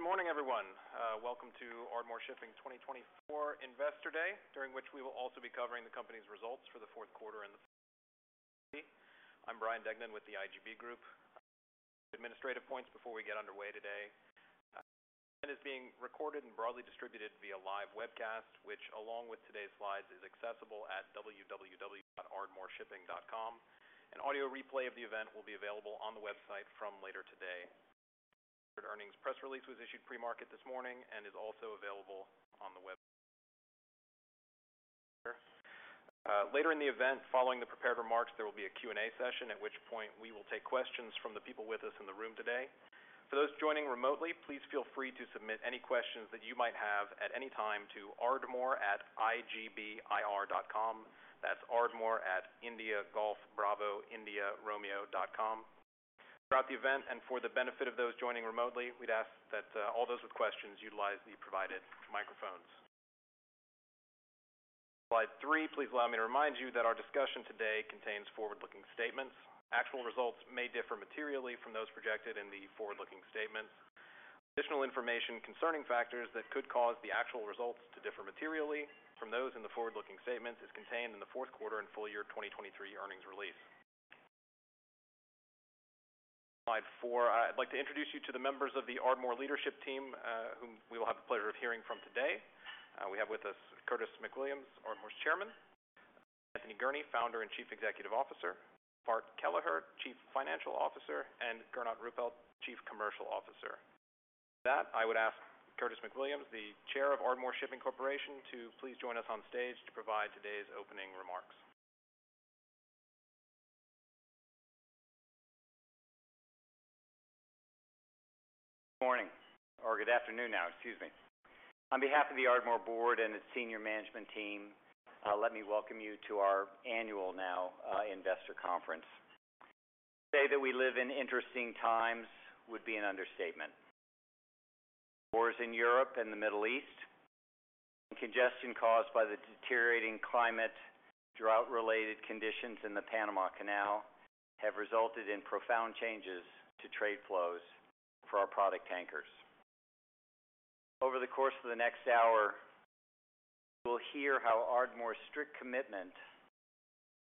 Good morning, everyone. Welcome to Ardmore Shipping 2024 Investor Day, during which we will also be covering the company's results for the fourth quarter and the. I'm Bryan Degnan with the IGB Group. Administrative points before we get underway today. It is being recorded and broadly distributed via live webcast, which, along with today's slides, is accessible at www.ardmoreshipping.com. An audio replay of the event will be available on the website from later today. Earnings press release was issued pre-market this morning and is also available on the website. Later in the event, following the prepared remarks, there will be a Q&A session, at which point we will take questions from the people with us in the room today. For those joining remotely, please feel free to submit any questions that you might have at any time to ardmore@igbir.com. That's ardmore@indiagolfbravoindiaromeo.com. Throughout the event and for the benefit of those joining remotely, we'd ask that all those with questions utilize the provided microphones. Slide three, please allow me to remind you that our discussion today contains forward-looking statements. Actual results may differ materially from those projected in the forward-looking statements. Additional information concerning factors that could cause the actual results to differ materially from those in the forward-looking statements is contained in the fourth quarter and full year 2023 earnings release. Slide four, I'd like to introduce you to the members of the Ardmore leadership team, whom we will have the pleasure of hearing from today. We have with us Curtis McWilliams, Ardmore's Chairman, Anthony Gurnee, founder and Chief Executive Officer, Bart Kelleher, Chief Financial Officer, and Gernot Ruppelt, Chief Commercial Officer. That, I would ask Curtis McWilliams, the Chair of Ardmore Shipping Corporation, to please join us on stage to provide today's opening remarks. Good morning or good afternoon, now. Excuse me. On behalf of the Ardmore Board and its senior management team, let me welcome you to our annual now, investor conference. To say that we live in interesting times would be an understatement. Wars in Europe and the Middle East and congestion caused by the deteriorating climate, drought-related conditions in the Panama Canal have resulted in profound changes to trade flows for our product tankers. Over the course of the next hour, you will hear how Ardmore's strict commitment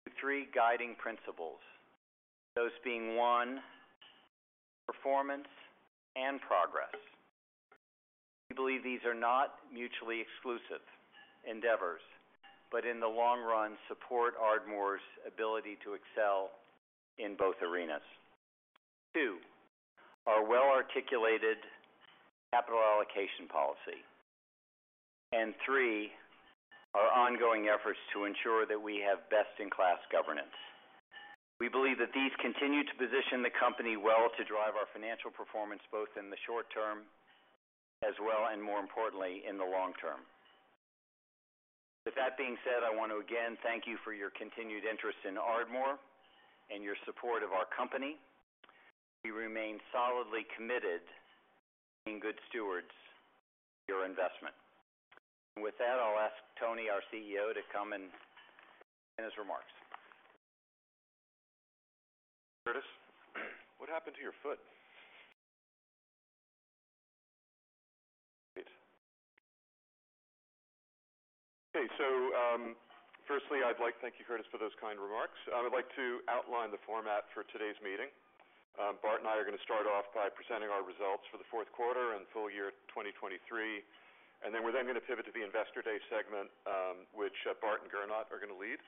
to three guiding principles, those being, one, performance and progress. We believe these are not mutually exclusive endeavors, but in the long run, support Ardmore's ability to excel in both arenas. Two, our well-articulated capital allocation policy. And three, our ongoing efforts to ensure that we have best-in-class governance. We believe that these continue to position the company well to drive our financial performance, both in the short term as well, and more importantly, in the long term. With that being said, I want to again thank you for your continued interest in Ardmore and your support of our company. We remain solidly committed to being good stewards of your investment. With that, I'll ask Tony, our CEO, to come and begin his remarks. Curtis, what happened to your foot? Okay, so, firstly, I'd like to thank you, Curtis, for those kind remarks. I would like to outline the format for today's meeting. Bart and I are going to start off by presenting our results for the fourth quarter and full year 2023, and then we're then going to pivot to the Investor Day segment, which Bart and Gernot are going to lead,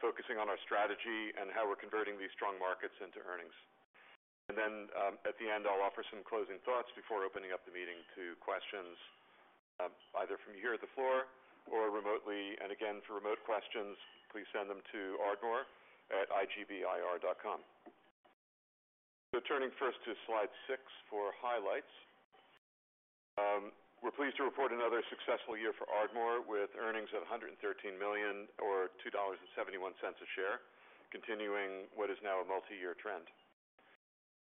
focusing on our strategy and how we're converting these strong markets into earnings. And then, at the end, I'll offer some closing thoughts before opening up the meeting to questions, either from you here at the floor or remotely. And again, for remote questions, please send them to ardmore@igbir.com. So turning first to Slide six for highlights. We're pleased to report another successful year for Ardmore, with earnings of $113 million or $2.71 per share, continuing what is now a multi-year trend.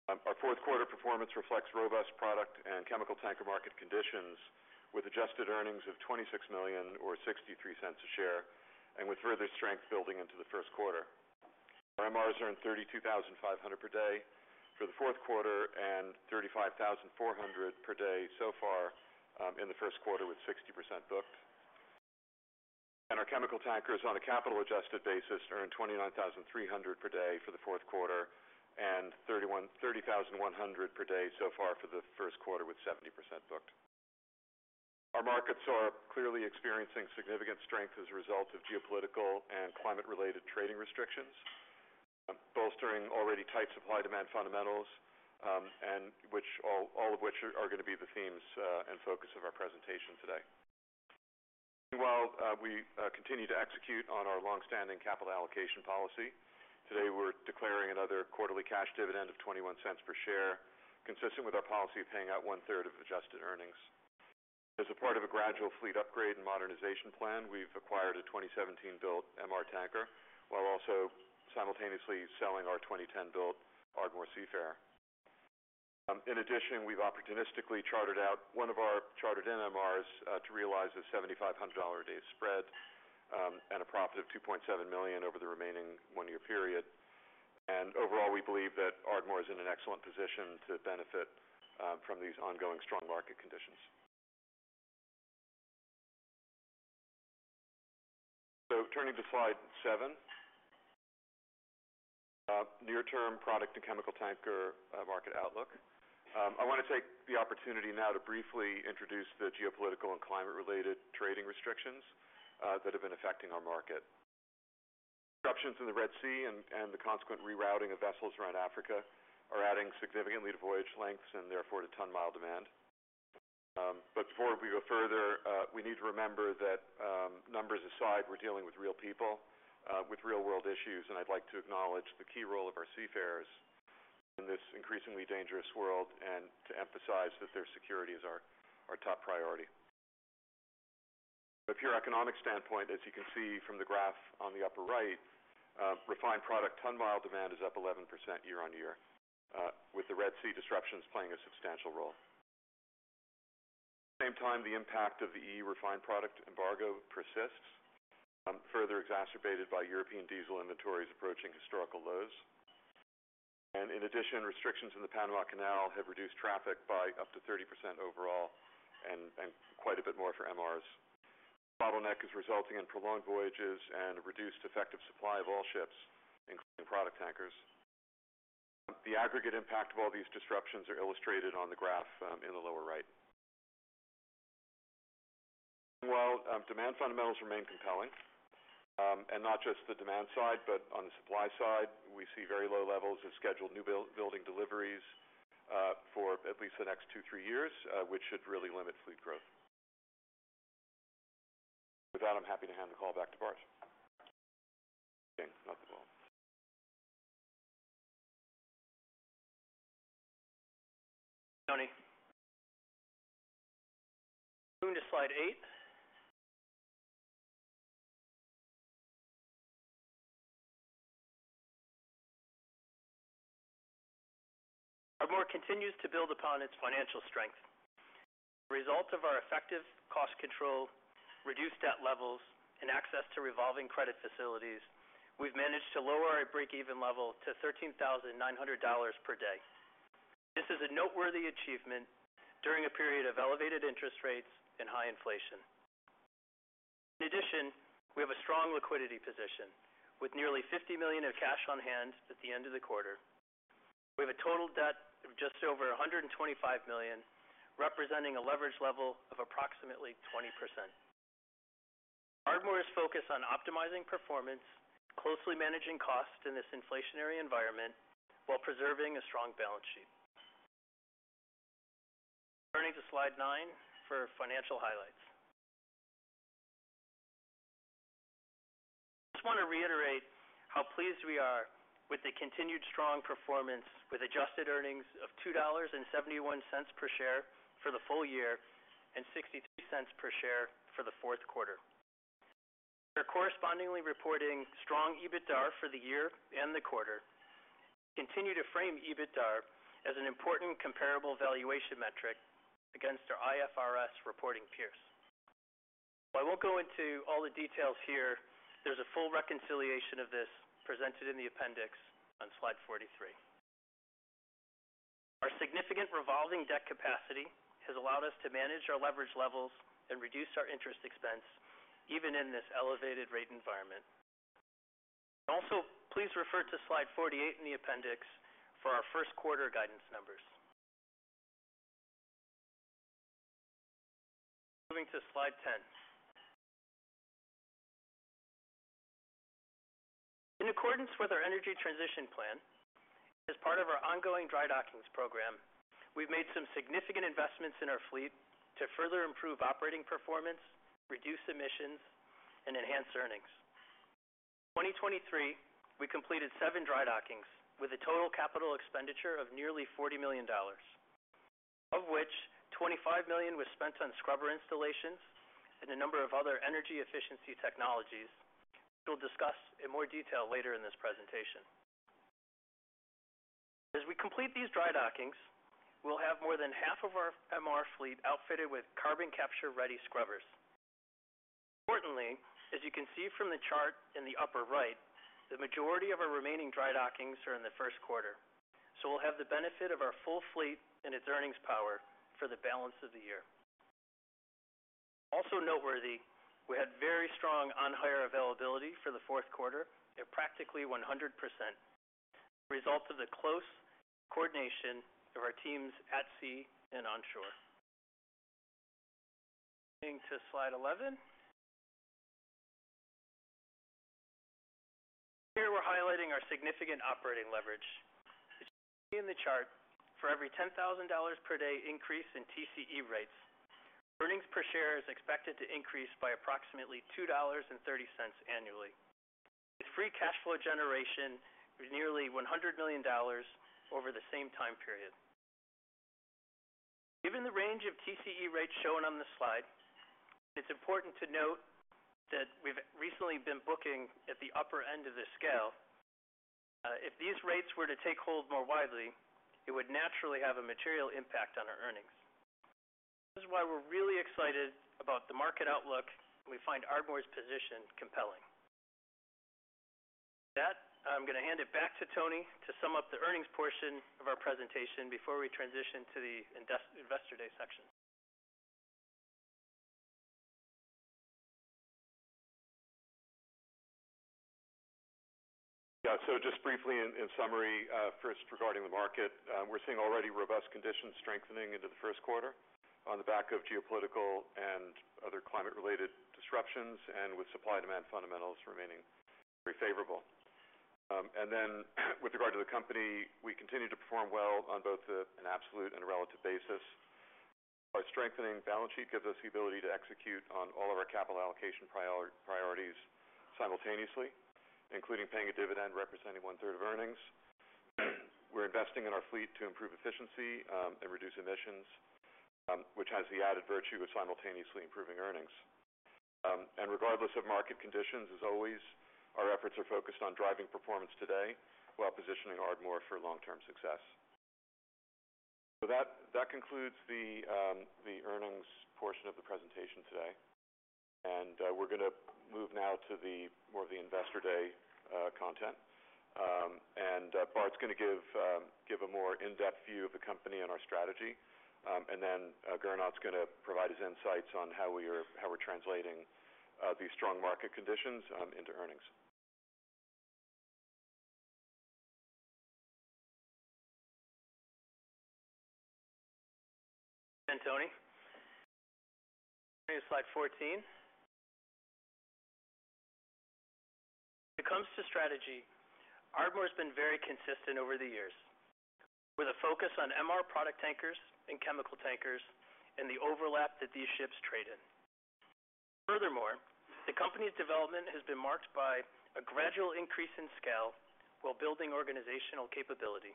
Our fourth quarter performance reflects robust product and chemical tanker market conditions, with adjusted earnings of $26 million or $0.63 per share, and with further strength building into the first quarter. Our MRs earned $32,500 per day for the fourth quarter and $35,400 per day so far in the first quarter, with 60% booked. Our chemical tankers, on a capital adjusted basis, earned $29,300 per day for the fourth quarter and $30,100 per day so far for the first quarter with 70% booked. Our markets are clearly experiencing significant strength as a result of geopolitical and climate-related trading restrictions, bolstering already tight supply-demand fundamentals, and all of which are going to be the themes and focus of our presentation today. Meanwhile, we continue to execute on our long-standing capital allocation policy. Today, we're declaring another quarterly cash dividend of $0.21 per share, consistent with our policy of paying out 1/3 of adjusted earnings. As a part of a gradual fleet upgrade and modernization plan, we've acquired a 2017-built MR tanker, while also simultaneously selling our 2010-built Ardmore Seafarer. In addition, we've opportunistically chartered out one of our chartered MRs to realize a $7,500 a day spread, and a profit of $2.7 million over the remaining one-year period. Overall, we believe that Ardmore is in an excellent position to benefit from these ongoing strong market conditions. So turning to slide seven, near-term product to chemical tanker market outlook. I want to take the opportunity now to briefly introduce the geopolitical and climate-related trading restrictions that have been affecting our market. Disruptions in the Red Sea and the consequent rerouting of vessels around Africa are adding significantly to voyage lengths and therefore, to ton mile demand. But before we go further, we need to remember that, numbers aside, we're dealing with real people, with real-world issues, and I'd like to acknowledge the key role of our seafarers in this increasingly dangerous world and to emphasize that their security is our top priority. From a pure economic standpoint, as you can see from the graph on the upper right, refined product ton mile demand is up 11% year-on-year, with the Red Sea disruptions playing a substantial role. At the same time, the impact of the EU refined product embargo persists, further exacerbated by European diesel inventories approaching historical lows. In addition, restrictions in the Panama Canal have reduced traffic by up to 30% overall, and quite a bit more for MRs. Bottleneck is resulting in prolonged voyages and reduced effective supply of all ships, including product tankers. The aggregate impact of all these disruptions are illustrated on the graph in the lower right. While demand fundamentals remain compelling, and not just the demand side, but on the supply side, we see very low levels of scheduled newbuilding deliveries for at least the next two to three years, which should really limit fleet growth. With that, I'm happy to hand the call back to Bart. Thanks, not at all. Tony. Moving to Slide eight. Ardmore continues to build upon its financial strength. The result of our effective cost control, reduced debt levels, and access to revolving credit facilities, we've managed to lower our breakeven level to $13,900 per day. This is a noteworthy achievement during a period of elevated interest rates and high inflation. In addition, we have a strong liquidity position, with nearly $50 million of cash on hand at the end of the quarter. We have a total debt of just over $125 million, representing a leverage level of approximately 20%. Ardmore is focused on optimizing performance, closely managing costs in this inflationary environment, while preserving a strong balance sheet. Turning to Slide nine for financial highlights. I just want to reiterate how pleased we are with the continued strong performance, with adjusted earnings of $2.71 per share for the full year and $0.62 per share for the fourth quarter. We're correspondingly reporting strong EBITDA for the year and the quarter. Continue to frame EBITDA as an important comparable valuation metric against our IFRS reporting peers. While I won't go into all the details here, there's a full reconciliation of this presented in the appendix on Slide 43. Our significant revolving debt capacity has allowed us to manage our leverage levels and reduce our interest expense, even in this elevated rate environment. Also, please refer to Slide 48 in the appendix for our first quarter guidance numbers. Moving to Slide 10. In accordance with our Energy Transition Plan, as part of our ongoing dry dockings program, we've made some significant investments in our fleet to further improve operating performance, reduce emissions, and enhance earnings. In 2023, we completed seven dry dockings with a total capital expenditure of nearly $40 million, of which $25 million was spent on scrubber installations and a number of other energy efficiency technologies, which we'll discuss in more detail later in this presentation. As we complete these dry dockings, we'll have more than half of our MR fleet outfitted with carbon capture-ready scrubbers. Importantly, as you can see from the chart in the upper right, the majority of our remaining dry dockings are in the first quarter, so we'll have the benefit of our full fleet and its earnings power for the balance of the year. Also noteworthy, we had very strong on-hire availability for the fourth quarter at practically 100%, a result of the close coordination of our teams at sea and onshore. Turning to Slide 11. Here, we're highlighting our significant operating leverage. As you can see in the chart, for every $10,000 per day increase in TCE rates, earnings per share is expected to increase by approximately $2.30 annually, with free cash flow generation of nearly $100 million over the same time period. Given the range of TCE rates shown on this slide, it's important to note that we've recently been booking at the upper end of this scale. If these rates were to take hold more widely, it would naturally have a material impact on our earnings.... This is why we're really excited about the market outlook, and we find Ardmore's position compelling. With that, I'm going to hand it back to Tony to sum up the earnings portion of our presentation before we transition to the Investor Day section. Yeah, so just briefly in summary, first, regarding the market, we're seeing already robust conditions strengthening into the first quarter on the back of geopolitical and other climate-related disruptions and with supply-demand fundamentals remaining very favorable. And then, with regard to the company, we continue to perform well on both an absolute and a relative basis. Our strengthening balance sheet gives us the ability to execute on all of our capital allocation priorities simultaneously, including paying a dividend representing 1/3 of earnings. We're investing in our fleet to improve efficiency and reduce emissions, which has the added virtue of simultaneously improving earnings. And regardless of market conditions, as always, our efforts are focused on driving performance today while positioning Ardmore for long-term success. So that concludes the earnings portion of the presentation today. And, we're gonna move now to the Investor Day content. And, Bart's gonna give a more in-depth view of the company and our strategy. And then, Gernot is gonna provide his insights on how we're translating these strong market conditions into earnings. Thanks, Tony. Slide 14. When it comes to strategy, Ardmore has been very consistent over the years, with a focus on MR product tankers and chemical tankers and the overlap that these ships trade in. Furthermore, the company's development has been marked by a gradual increase in scale while building organizational capability.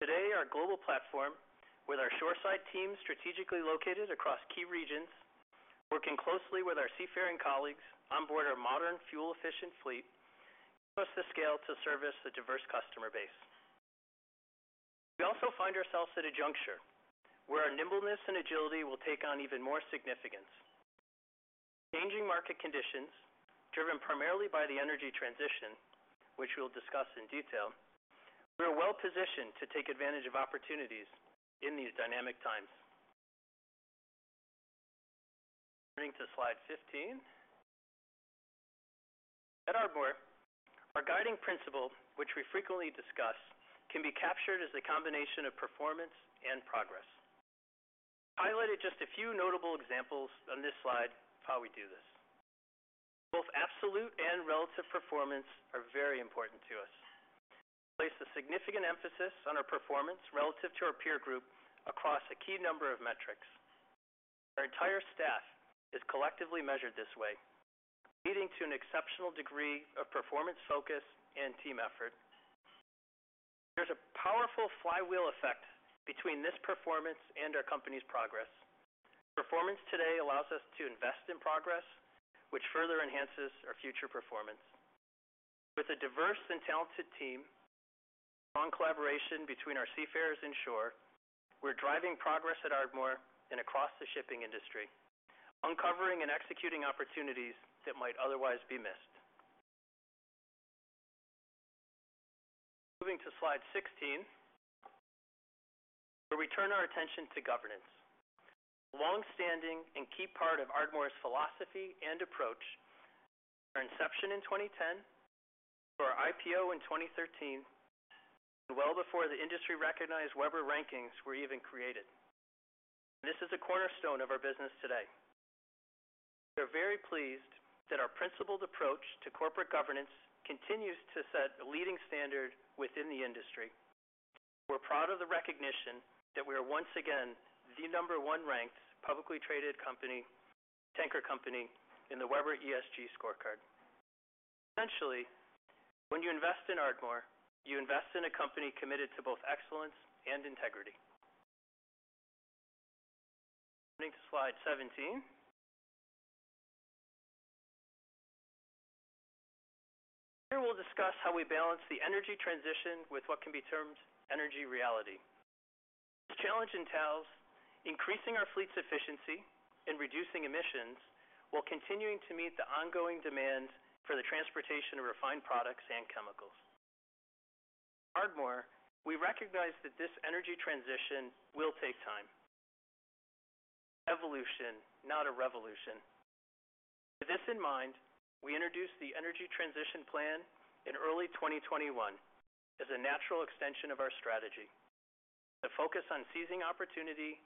Today, our global platform, with our shoreside team strategically located across key regions, working closely with our seafaring colleagues on board our modern fuel-efficient fleet, gives us the scale to service a diverse customer base. We also find ourselves at a juncture where our nimbleness and agility will take on even more significance. Changing market conditions, driven primarily by the energy transition, which we'll discuss in detail, we are well-positioned to take advantage of opportunities in these dynamic times. Turning to Slide 15. At Ardmore, our guiding principle, which we frequently discuss, can be captured as a combination of performance and progress. Highlighted just a few notable examples on this slide of how we do this. Both absolute and relative performance are very important to us. We place a significant emphasis on our performance relative to our peer group across a key number of metrics. Our entire staff is collectively measured this way, leading to an exceptional degree of performance, focus, and team effort. There's a powerful flywheel effect between this performance and our company's progress. Performance today allows us to invest in progress, which further enhances our future performance. With a diverse and talented team, strong collaboration between our seafarers and shore, we're driving progress at Ardmore and across the shipping industry, uncovering and executing opportunities that might otherwise be missed. Moving to Slide 16, where we turn our attention to governance. A long-standing and key part of Ardmore's philosophy and approach from our inception in 2010, to our IPO in 2013, and well before the industry recognized Webber rankings were even created. This is a cornerstone of our business today. We are very pleased that our principled approach to corporate governance continues to set a leading standard within the industry. We're proud of the recognition that we are once again the number one ranked publicly traded company, tanker company in the Webber ESG scorecard. Essentially, when you invest in Ardmore, you invest in a company committed to both excellence and integrity. Turning to Slide 17. Here, we'll discuss how we balance the energy transition with what can be termed energy reality. This challenge entails increasing our fleet's efficiency and reducing emissions, while continuing to meet the ongoing demand for the transportation of refined products and chemicals. At Ardmore, we recognize that this energy transition will take time. Evolution, not a revolution. With this in mind, we introduced the Energy Transition Plan in early 2021 as a natural extension of our strategy. To focus on seizing opportunity,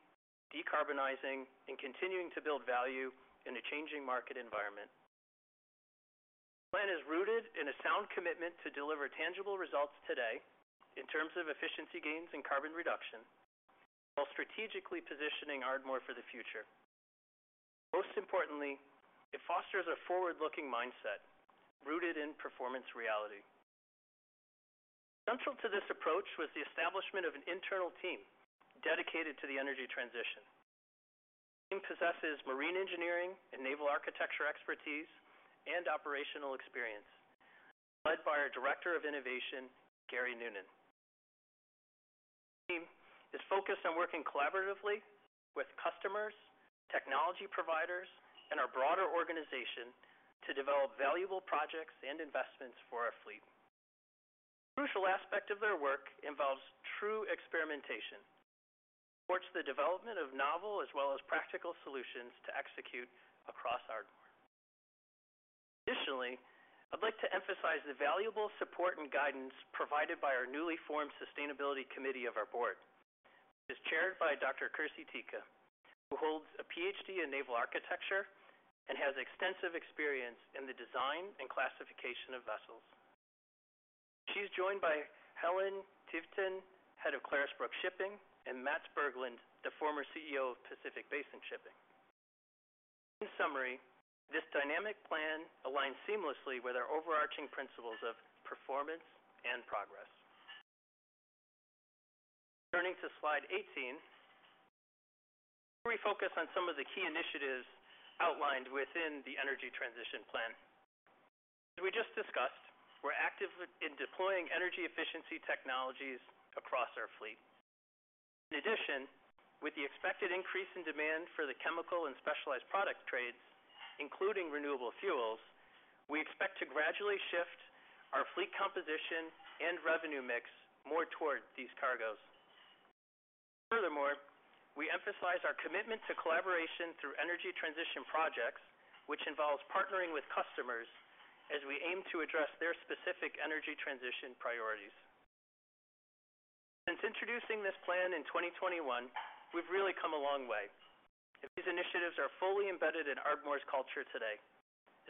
decarbonizing, and continuing to build value in a changing market environment. The plan is rooted in a sound commitment to deliver tangible results today in terms of efficiency gains and carbon reduction, while strategically positioning Ardmore for the future. Most importantly, it fosters a forward-looking mindset rooted in performance reality. Central to this approach was the establishment of an internal team dedicated to the energy transition. The team possesses marine engineering and naval architecture expertise and operational experience... led by our Director of Innovation, Garry Noonan. The team is focused on working collaboratively with customers, technology providers, and our broader organization to develop valuable projects and investments for our fleet. crucial aspect of their work involves true experimentation towards the development of novel as well as practical solutions to execute across Ardmore. Additionally, I'd like to emphasize the valuable support and guidance provided by our newly formed Sustainability Committee of our board, which is chaired by Dr. Kirsi Tikka, who holds a PhD in Naval Architecture and has extensive experience in the design and classification of vessels. She's joined by Helen Tveitan, Head of Clarksons Shipping, and Mats Berglund, the former CEO of Pacific Basin Shipping. In summary, this dynamic plan aligns seamlessly with our overarching principles of performance and progress. Turning to Slide 18, we focus on some of the key initiatives outlined within the energy transition plan. As we just discussed, we're actively in deploying energy efficiency technologies across our fleet. In addition, with the expected increase in demand for the chemical and specialized product trades, including renewable fuels, we expect to gradually shift our fleet composition and revenue mix more towards these cargoes. Furthermore, we emphasize our commitment to collaboration through energy transition projects, which involves partnering with customers as we aim to address their specific energy transition priorities. Since introducing this plan in 2021, we've really come a long way, and these initiatives are fully embedded in Ardmore's culture today.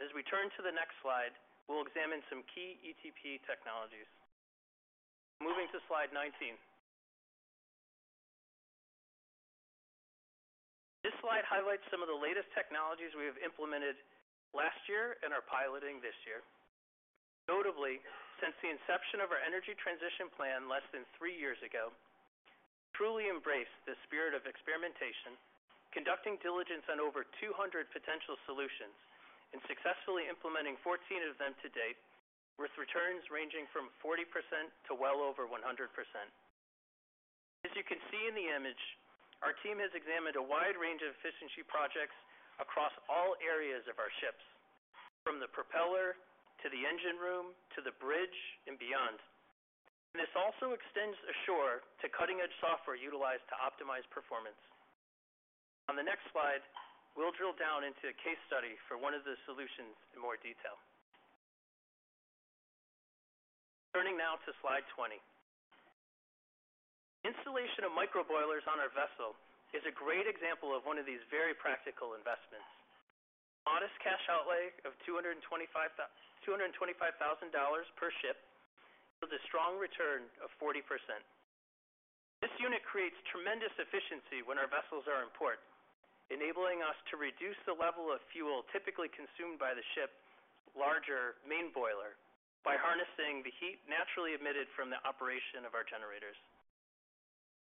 As we turn to the next slide, we'll examine some key ETP technologies. Moving to Slide 19. This slide highlights some of the latest technologies we have implemented last year and are piloting this year. Notably, since the inception of our energy transition plan less than three years ago, truly embraced the spirit of experimentation, conducting diligence on over 200 potential solutions and successfully implementing 14 of them to date, with returns ranging from 40% to well over 100%. As you can see in the image, our team has examined a wide range of efficiency projects across all areas of our ships, from the propeller to the engine room, to the bridge, and beyond. This also extends ashore to cutting-edge software utilized to optimize performance. On the next slide, we'll drill down into a case study for one of the solutions in more detail. Turning now to Slide 20. Installation of micro boilers on our vessel is a great example of one of these very practical investments. Modest cash outlay of $225,000 per ship, with a strong return of 40%. This unit creates tremendous efficiency when our vessels are in port, enabling us to reduce the level of fuel typically consumed by the ship's larger main boiler by harnessing the heat naturally emitted from the operation of our generators.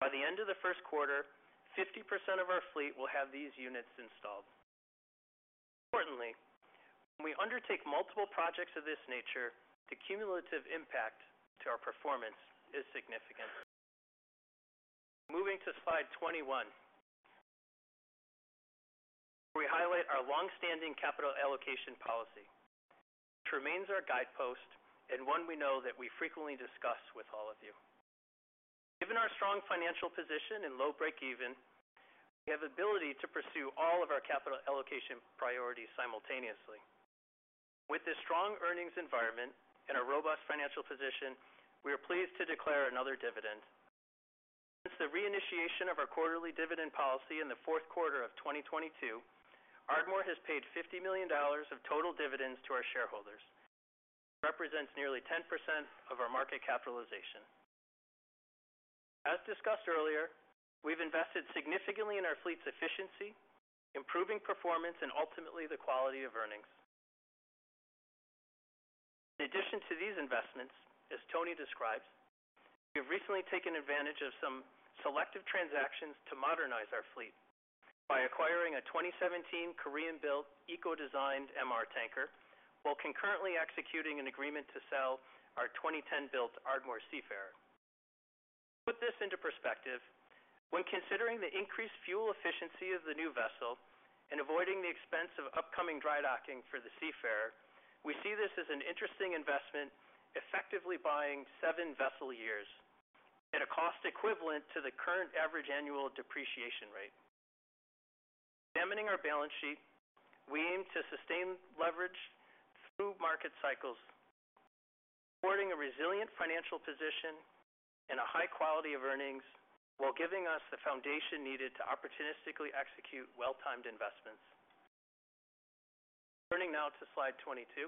By the end of the first quarter, 50% of our fleet will have these units installed. Importantly, when we undertake multiple projects of this nature, the cumulative impact to our performance is significant. Moving to Slide 21. We highlight our long-standing capital allocation policy, which remains our guidepost and one we know that we frequently discuss with all of you. Given our strong financial position and low breakeven, we have ability to pursue all of our capital allocation priorities simultaneously. With this strong earnings environment and a robust financial position, we are pleased to declare another dividend. Since the reinitiation of our quarterly dividend policy in the fourth quarter of 2022, Ardmore has paid $50 million of total dividends to our shareholders. Represents nearly 10% of our market capitalization. As discussed earlier, we've invested significantly in our fleet's efficiency, improving performance, and ultimately the quality of earnings. In addition to these investments, as Tony describes, we have recently taken advantage of some selective transactions to modernize our fleet by acquiring a 2017 Korean-built, eco-designed MR tanker, while concurrently executing an agreement to sell our 2010-built Ardmore Seafarer. To put this into perspective, when considering the increased fuel efficiency of the new vessel and avoiding the expense of upcoming drydocking for the Seafarer, we see this as an interesting investment, effectively buying seven vessel years at a cost equivalent to the current average annual depreciation rate. Examining our balance sheet, we aim to sustain leverage through market cycles, supporting a resilient financial position and a high quality of earnings, while giving us the foundation needed to opportunistically execute well-timed investments. Turning now to Slide 22.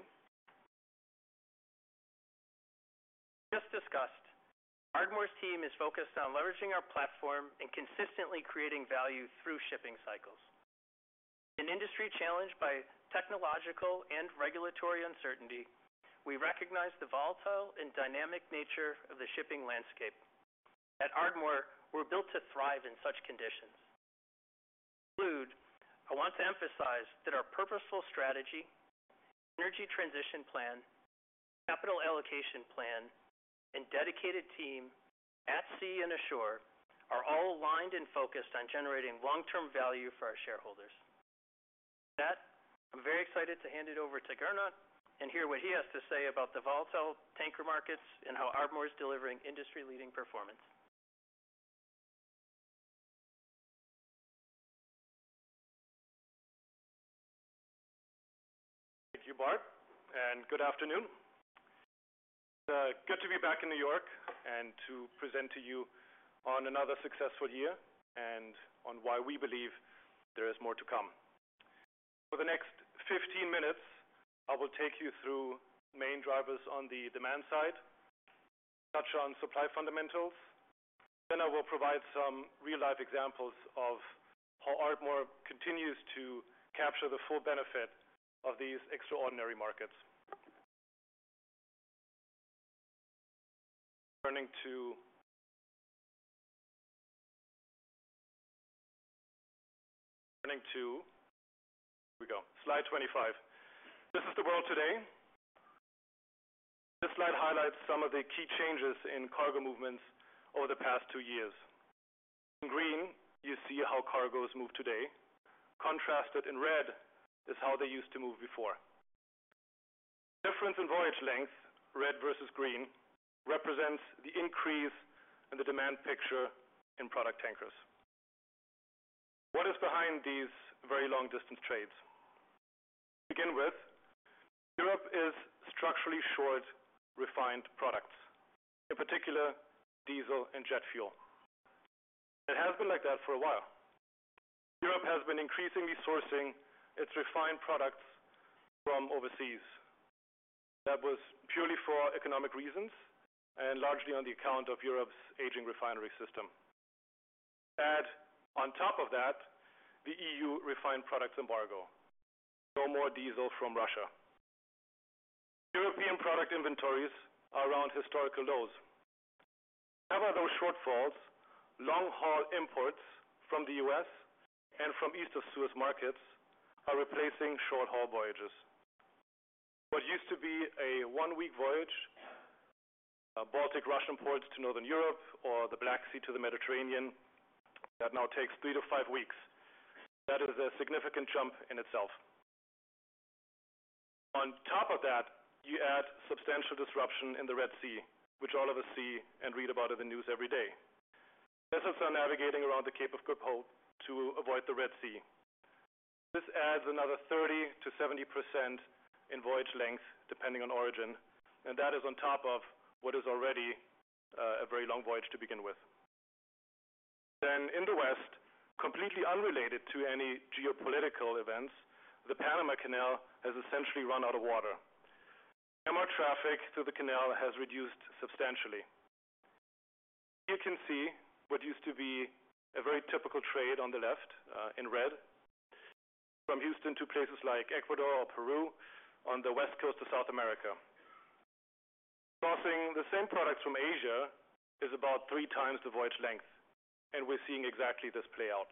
Just discussed, Ardmore's team is focused on leveraging our platform and consistently creating value through shipping cycles. An industry challenged by technological and regulatory uncertainty, we recognize the volatile and dynamic nature of the shipping landscape. At Ardmore, we're built to thrive in such conditions. Conclude, I want to emphasize that our purposeful strategy, Energy Transition Plan, capital allocation plan, and dedicated team at sea and ashore are all aligned and focused on generating long-term value for our shareholders. With that, I'm very excited to hand it over to Gernot and hear what he has to say about the volatile tanker markets and how Ardmore is delivering industry-leading performance. Thank you, Bart, and good afternoon. It's good to be back in New York and to present to you on another successful year and on why we believe there is more to come. For the next 15 minutes, I will take you through main drivers on the demand side, touch on supply fundamentals, then I will provide some real-life examples of how Ardmore continues to capture the full benefit of these extraordinary markets. Turning to... Here we go. Slide 25. This is the world today. This slide highlights some of the key changes in cargo movements over the past two years. In green, you see how cargoes move today. Contrasted in red is how they used to move before. Difference in voyage length, red versus green, represents the increase in the demand picture in product tankers. What is behind these very long-distance trades? To begin with, Europe is structurally short refined products, in particular, diesel and jet fuel. It has been like that for a while. Europe has been increasingly sourcing its refined products from overseas. That was purely for economic reasons and largely on the account of Europe's aging refinery system. Add on top of that, the EU refined products embargo. No more diesel from Russia. European product inventories are around historical lows. To cover those shortfalls, long-haul imports from the U.S. and from East of Suez markets are replacing short-haul voyages. What used to be a one-week voyage, Baltic Russian ports to Northern Europe or the Black Sea to the Mediterranean, that now takes three to five weeks. That is a significant jump in itself. On top of that, you add substantial disruption in the Red Sea, which all of us see and read about in the news every day. Vessels are navigating around the Cape of Good Hope to avoid the Red Sea. This adds another 30%-70% in voyage length, depending on origin, and that is on top of what is already, a very long voyage to begin with. Then in the West, completely unrelated to any geopolitical events, the Panama Canal has essentially run out of water. Panama traffic through the canal has reduced substantially. You can see what used to be a very typical trade on the left, in red, from Houston to places like Ecuador or Peru on the west coast of South America. Crossing the same products from Asia is about three times the voyage length, and we're seeing exactly this play out.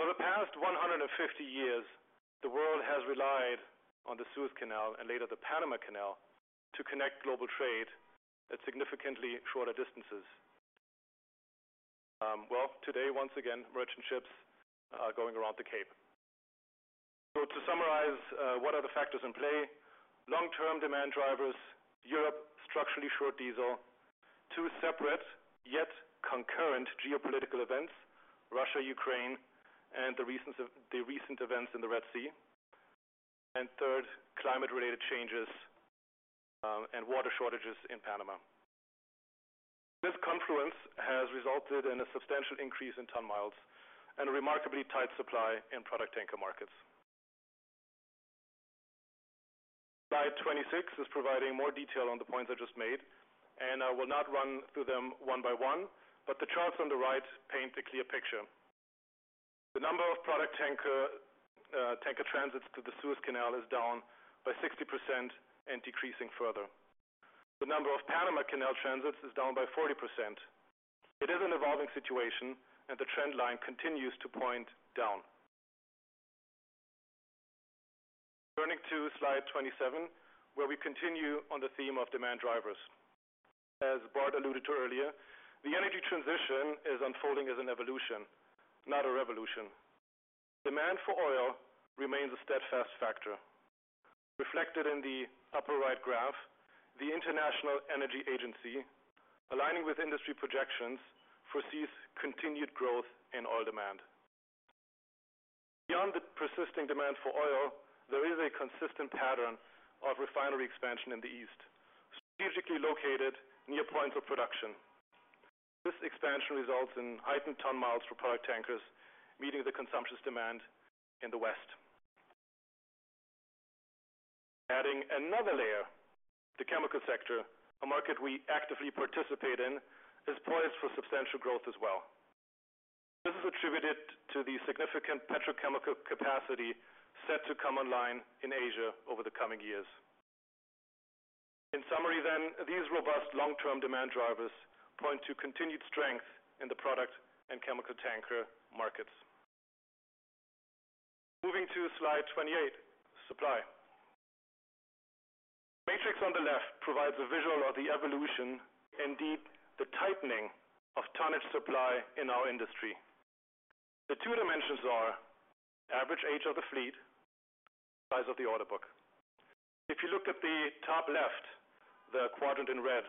For the past 150 years, the world has relied on the Suez Canal and later the Panama Canal, to connect global trade at significantly shorter distances. Well, today, once again, merchant ships are going around the Cape. So to summarize, what are the factors in play? Long-term demand drivers, Europe, structurally short diesel, two separate, yet concurrent geopolitical events, Russia, Ukraine, and the reasons of the recent events in the Red Sea. And third, climate-related changes, and water shortages in Panama. This confluence has resulted in a substantial increase in ton miles and a remarkably tight supply in product tanker markets. Slide 26 is providing more detail on the points I just made, and I will not run through them one by one, but the charts on the right paint a clear picture. The number of product tanker tanker transits to the Suez Canal is down by 60% and decreasing further. The number of Panama Canal transits is down by 40%. It is an evolving situation and the trend line continues to point down. Turning to Slide 27, where we continue on the theme of demand drivers. As Bart alluded to earlier, the energy transition is unfolding as an evolution, not a revolution. Demand for oil remains a steadfast factor. Reflected in the upper right graph, the International Energy Agency, aligning with industry projections, foresees continued growth in oil demand. Beyond the persisting demand for oil, there is a consistent pattern of refinery expansion in the East, strategically located near points of production. This expansion results in heightened ton miles for product tankers, meeting the consumption demand in the West. Adding another layer, the chemical sector, a market we actively participate in, is poised for substantial growth as well. This is attributed to the significant petrochemical capacity set to come online in Asia over the coming years. In summary then, these robust long-term demand drivers point to continued strength in the product and chemical tanker markets. Moving to Slide 28, supply. Matrix on the left provides a visual of the evolution, indeed, the tightening of tonnage supply in our industry. The two dimensions are average age of the fleet, size of the order book. If you looked at the top left, the quadrant in red,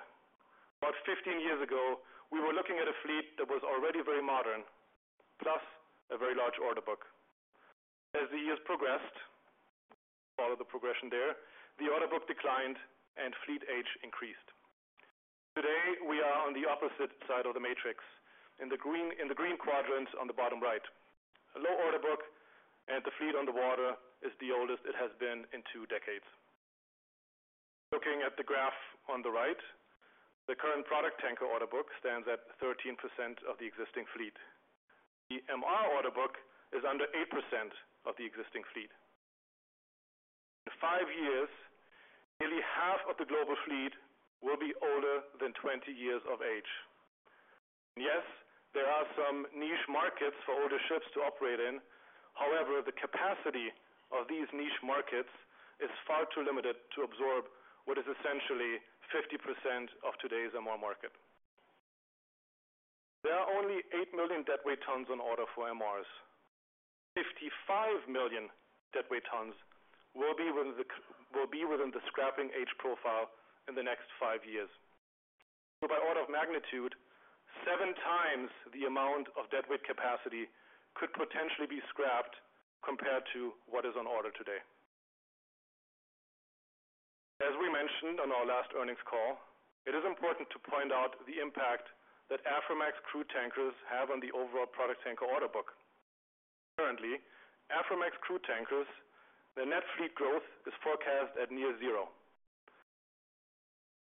about 15 years ago, we were looking at a fleet that was already very modern, plus a very large order book. As the years progressed, follow the progression there, the order book declined and fleet age increased. Today, we are on the opposite side of the matrix, in the green, in the green quadrant on the bottom right. A low order book, and the fleet on the water is the oldest it has been in two decades. Looking at the graph on the right, the current product tanker order book stands at 13% of the existing fleet. The MR order book is under 8% of the existing fleet. In five years, nearly half of the global fleet will be older than 20 years of age. And yes, there are some niche markets for older ships to operate in. However, the capacity of these niche markets is far too limited to absorb what is essentially 50% of today's MR market. There are only 8 million deadweight tons on order for MRs. 55 million deadweight tons will be within the scrapping age profile in the next five years. So by order of magnitude, seven times the amount of deadweight capacity could potentially be scrapped compared to what is on order today. As we mentioned on our last earnings call, it is important to point out the impact that Aframax crude tankers have on the overall product tanker order book. Currently, Aframax crude tankers, their net fleet growth is forecast at near zero.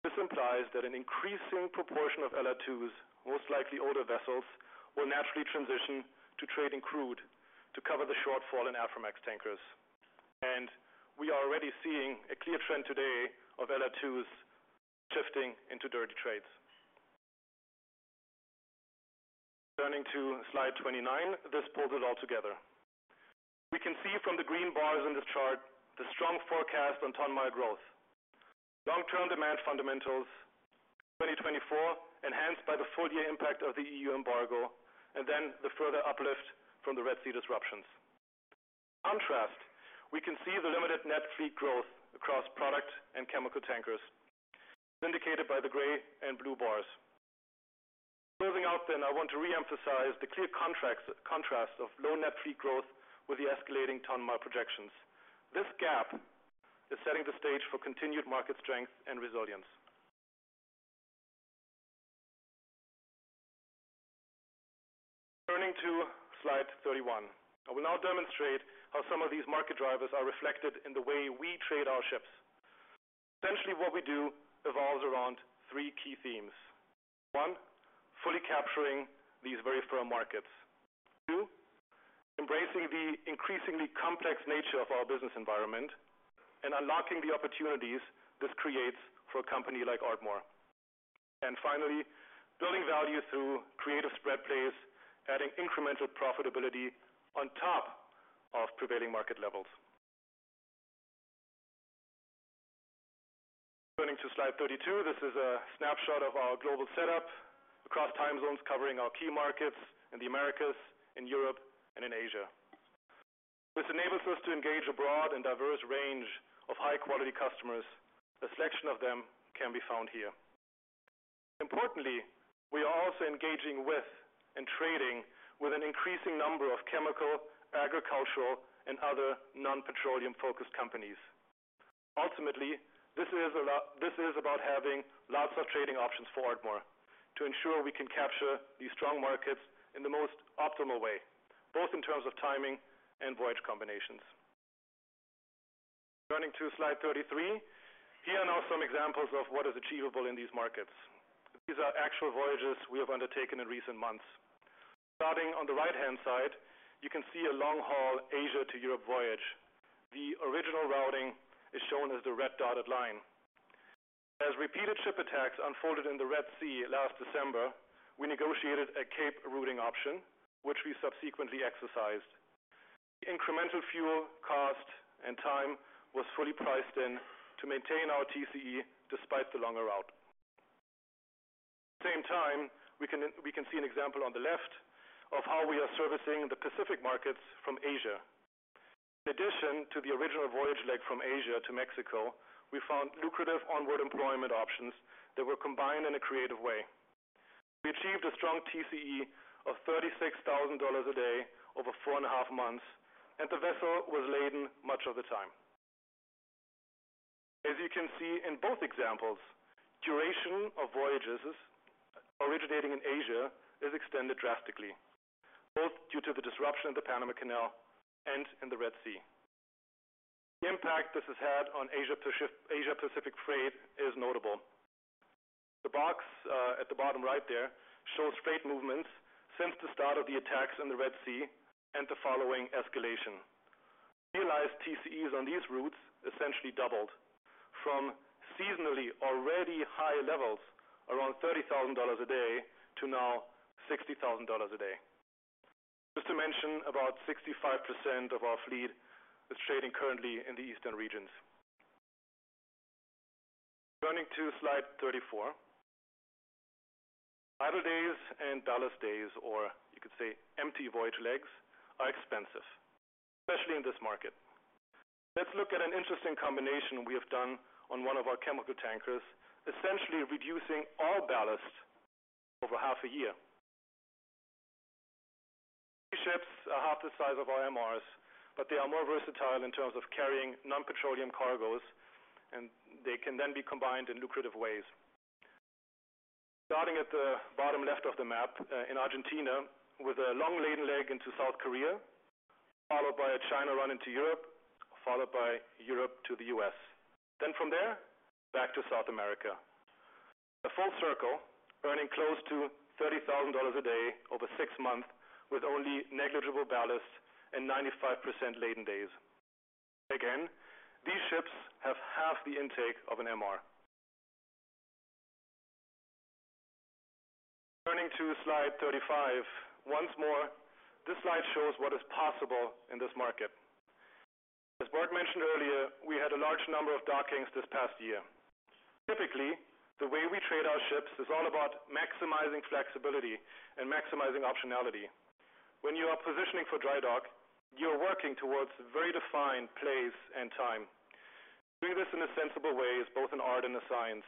This implies that an increasing proportion of LR2s, most likely older vessels, will naturally transition to trading crude to cover the shortfall in Aframax tankers. And we are already seeing a clear trend today of LR2s shifting into dirty trades. Turning to Slide 29, this pulls it all together. We can see from the green bars in this chart the strong forecast on ton mile growth. Long-term demand fundamentals, 2024, enhanced by the full year impact of the EU embargo, and then the further uplift from the Red Sea disruptions. In contrast, we can see the limited net fleet growth across product and chemical tankers, indicated by the gray and blue bars. Moving out, then I want to reemphasize the clear contrast of low net fleet growth with the escalating ton mile projections. This gap is setting the stage for continued market strength and resilience. Turning to Slide 31. I will now demonstrate how some of these market drivers are reflected in the way we trade our ships. Essentially, what we do revolves around three key themes. One, fully capturing these very firm markets. Two, embracing the increasingly complex nature of our business environment and unlocking the opportunities this creates for a company like Ardmore. And finally, building value through creative spread plays, adding incremental profitability on top of prevailing market levels. Turning to Slide 32, this is a snapshot of our global setup across time zones, covering our key markets in the Americas, in Europe, and in Asia. This enables us to engage a broad and diverse range of high quality customers. A selection of them can be found here. Importantly, we are also engaging with and trading with an increasing number of chemical, agricultural, and other non-petroleum focused companies. Ultimately, this is about having lots of trading options for Ardmore to ensure we can capture these strong markets in the most optimal way, both in terms of timing and voyage combinations. Turning to Slide 33. Here are now some examples of what is achievable in these markets. These are actual voyages we have undertaken in recent months. Starting on the right-hand side, you can see a long-haul Asia to Europe voyage. The original routing is shown as the red dotted line. As repeated ship attacks unfolded in the Red Sea last December, we negotiated a Cape routing option, which we subsequently exercised. Incremental fuel, cost, and time was fully priced in to maintain our TCE despite the longer route. At the same time, we can see an example on the left of how we are servicing the Pacific markets from Asia. In addition to the original voyage leg from Asia to Mexico, we found lucrative onward employment options that were combined in a creative way. We achieved a strong TCE of $36,000 a day over four and a half months, and the vessel was laden much of the time. As you can see in both examples, duration of voyages originating in Asia is extended drastically, both due to the disruption of the Panama Canal and in the Red Sea. The impact this has had on Asia Pacific, Asia Pacific trade is notable... The box at the bottom right there shows freight movements since the start of the attacks in the Red Sea and the following escalation. Realized TCEs on these routes essentially doubled from seasonally already high levels, around $30,000 a day, to now $60,000 a day. Just to mention, about 65% of our fleet is trading currently in the eastern regions. Turning to Slide 34. Idle days and ballast days, or you could say empty voyage legs, are expensive, especially in this market. Let's look at an interesting combination we have done on one of our chemical tankers, essentially reducing all ballast over half a year. These ships are half the size of our MRs, but they are more versatile in terms of carrying non-petroleum cargoes, and they can then be combined in lucrative ways. Starting at the bottom left of the map, in Argentina, with a long laden leg into South Korea, followed by a China run into Europe, followed by Europe to the U.S. Then from there, back to South America. A full circle earning close to $30,000 a day over six months, with only negligible ballast and 95% laden days. Again, these ships have half the intake of an MR. Turning to Slide 35. Once more, this slide shows what is possible in this market. As Bart mentioned earlier, we had a large number of dockings this past year. Typically, the way we trade our ships is all about maximizing flexibility and maximizing optionality. When you are positioning for dry dock, you are working towards a very defined place and time. To do this in a sensible way is both an art and a science.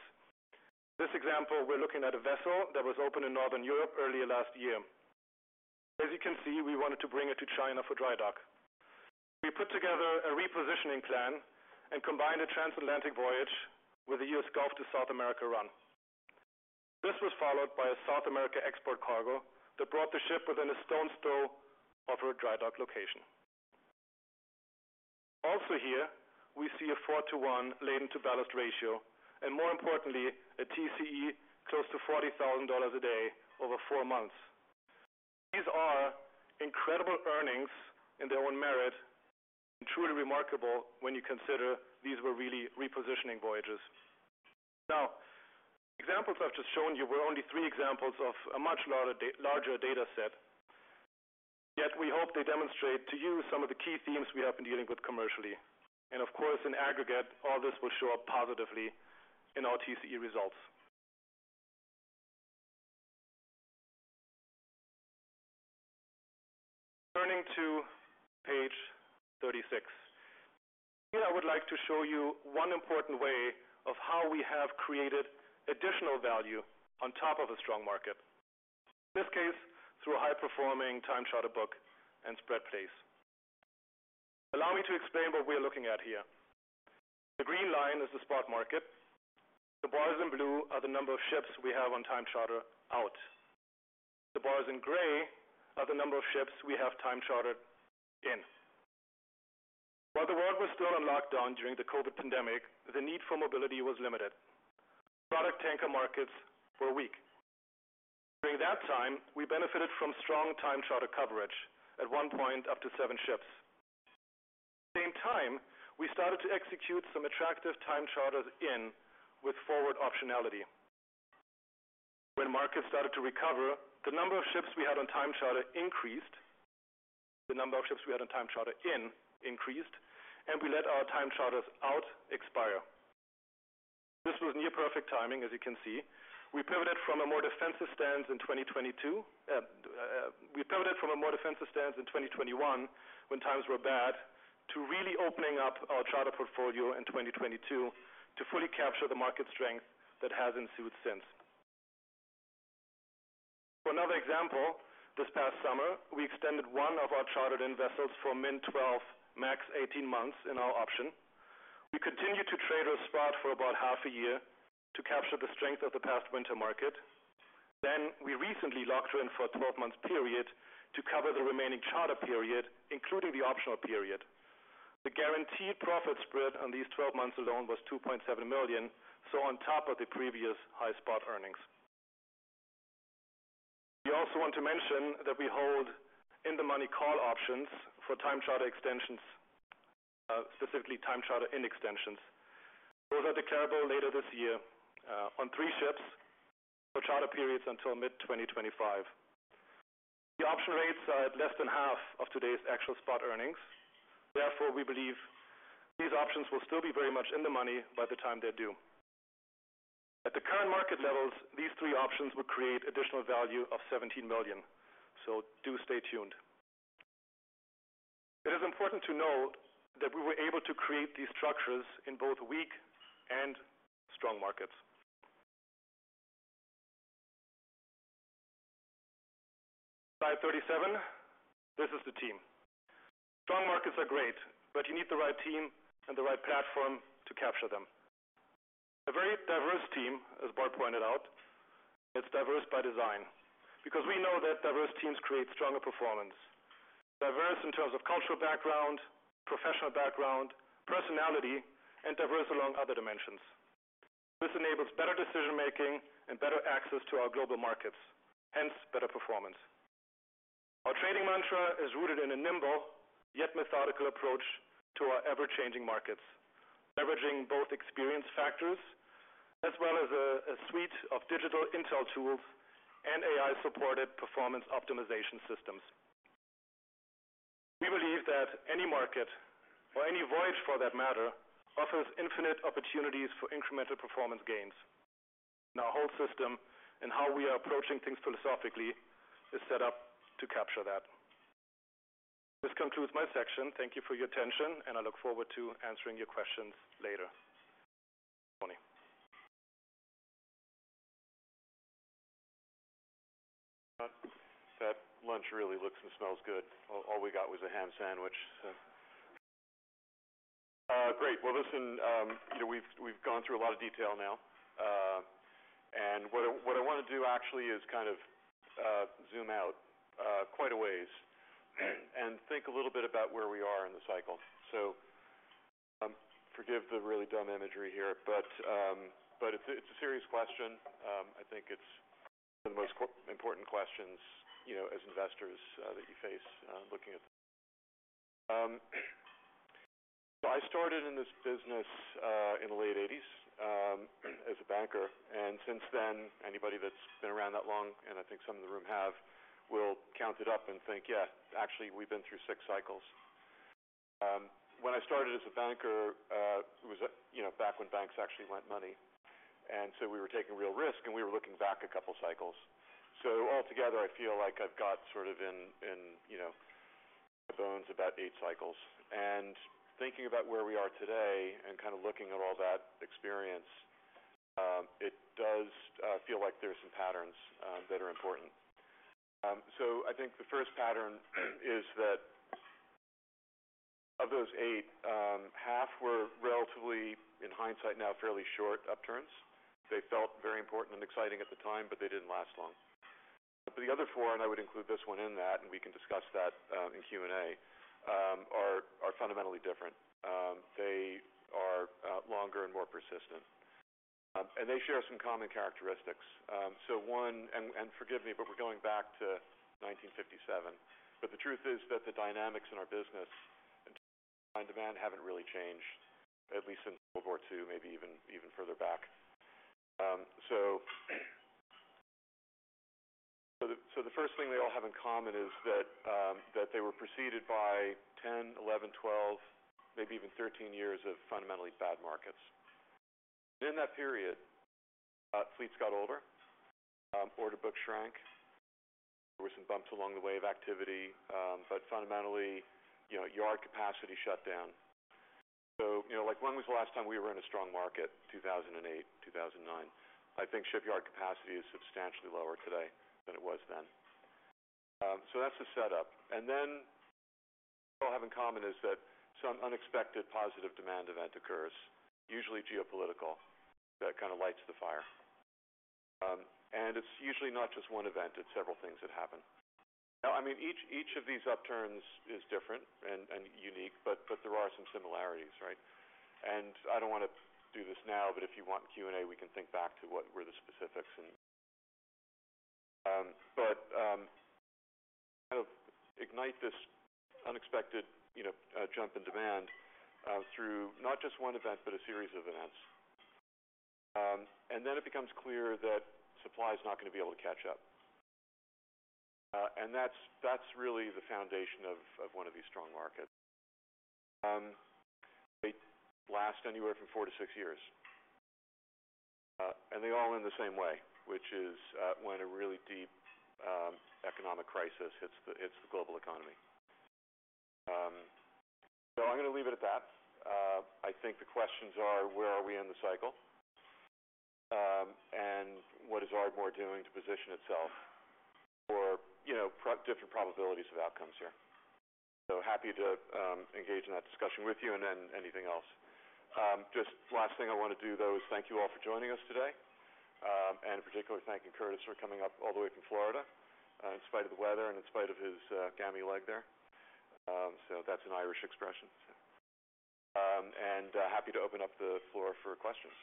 This example, we're looking at a vessel that was open in Northern Europe earlier last year. As you can see, we wanted to bring it to China for dry dock. We put together a repositioning plan and combined a transatlantic voyage with the U.S. Gulf to South America run. This was followed by a South America export cargo that brought the ship within a stone's throw of her dry dock location. Also here, we see a 4:1 laden-to-ballast ratio, and more importantly, a TCE close to $40,000 a day over four months. These are incredible earnings in their own merit, and truly remarkable when you consider these were really repositioning voyages. Now, the examples I've just shown you were only three examples of a much larger data set, yet we hope they demonstrate to you some of the key themes we have been dealing with commercially. Of course, in aggregate, all this will show up positively in our TCE results. Turning to page 36. Here, I would like to show you one important way of how we have created additional value on top of a strong market. In this case, through a high-performing time charter book and spread place. Allow me to explain what we are looking at here. The green line is the spot market. The bars in blue are the number of ships we have on time charter out. The bars in gray are the number of ships we have time chartered in. While the world was still on lockdown during the COVID pandemic, the need for mobility was limited. Product tanker markets were weak. During that time, we benefited from strong time charter coverage, at one point up to seven ships. At the same time, we started to execute some attractive time charters in with forward optionality. When markets started to recover, the number of ships we had on time charter increased. The number of ships we had on time charter in increased, and we let our time charters out expire. This was near perfect timing, as you can see. We pivoted from a more defensive stance in 2022, we pivoted from a more defensive stance in 2021, when times were bad, to really opening up our charter portfolio in 2022 to fully capture the market strength that has ensued since. For another example, this past summer, we extended one of our chartered-in vessels for min 12, max 18 months in our option. We continued to trade with spot for about half a year to capture the strength of the past winter market. Then we recently locked in for a 12-month period to cover the remaining charter period, including the optional period. The guaranteed profit spread on these 12 months alone was $2.7 million, so on top of the previous high spot earnings. We also want to mention that we hold in-the-money call options for time charter extensions, specifically time charter in extensions. Those are declarable later this year, on three ships for charter periods until mid-2025. The option rates are at less than half of today's actual spot earnings. Therefore, we believe these options will still be very much in the money by the time they're due. At the current market levels, these three options will create additional value of $17 million. So do stay tuned. It is important to note that we were able to create these structures in both weak and strong markets. Slide 37, this is the team. Strong markets are great, but you need the right team and the right platform to capture them. A very diverse team, as Bart pointed out... It's diverse by design, because we know that diverse teams create stronger performance. Diverse in terms of cultural background, professional background, personality, and diverse along other dimensions. This enables better decision-making and better access to our global markets, hence, better performance. Our trading mantra is rooted in a nimble, yet methodical approach to our ever-changing markets, leveraging both experience factors as well as a suite of digital intel tools and AI-supported performance optimization systems. We believe that any market, or any voyage for that matter, offers infinite opportunities for incremental performance gains. Our whole system, and how we are approaching things philosophically, is set up to capture that. This concludes my section. Thank you for your attention, and I look forward to answering your questions later. Tony. That lunch really looks and smells good. All we got was a ham sandwich, so. Great. Well, listen, you know, we've gone through a lot of detail now. And what I want to do actually is kind of zoom out quite a ways and think a little bit about where we are in the cycle. So, forgive the really dumb imagery here, but it's a serious question. I think it's the most important questions, you know, as investors that you face looking at. So I started in this business in the late 1980s as a banker. And since then, anybody that's been around that long, and I think some in the room have, will count it up and think: Yeah, actually, we've been through six cycles. When I started as a banker, it was at, you know, back when banks actually lent money, and so we were taking real risk, and we were looking back a couple cycles. So altogether, I feel like I've got sort of in you know my bones about eight cycles. Thinking about where we are today and kind of looking at all that experience, it does feel like there's some patterns that are important. So I think the first pattern is that of those eight, half were relatively, in hindsight now, fairly short upturns. They felt very important and exciting at the time, but they didn't last long. But the other four, and I would include this one in that, and we can discuss that in Q&A, are fundamentally different. They are longer and more persistent, and they share some common characteristics. And forgive me, but we're going back to 1957, but the truth is that the dynamics in our business and supply and demand haven't really changed, at least since World War II, maybe even further back. So, the first thing they all have in common is that they were preceded by 10, 11, 12, maybe even 13 years of fundamentally bad markets. And in that period, fleets got older, order book shrank. There were some bumps along the way of activity, but fundamentally, you know, yard capacity shut down. So, you know, like, when was the last time we were in a strong market? 2008, 2009. I think shipyard capacity is substantially lower today than it was then. So that's the setup. And then, what they all have in common is that some unexpected positive demand event occurs, usually geopolitical, that kind of lights the fire. And it's usually not just one event, it's several things that happen. Now, I mean, each of these upturns is different and unique, but there are some similarities, right? And I don't want to do this now, but if you want in Q&A, we can think back to what were the specifics and... But kind of ignite this unexpected, you know, jump in demand through not just one event, but a series of events. And then it becomes clear that supply is not going to be able to catch up. And that's really the foundation of one of these strong markets. They last anywhere from four to six years. And they all end the same way, which is when a really deep economic crisis hits the global economy. So I'm going to leave it at that. I think the questions are: where are we in the cycle? And what is Ardmore doing to position itself for, you know, different probabilities of outcomes here? So happy to engage in that discussion with you and then anything else. Just last thing I want to do, though, is thank you all for joining us today. And in particular, thanking Curtis for coming up all the way from Florida, in spite of the weather and in spite of his gammy leg there. That's an Irish expression. Happy to open up the floor for questions.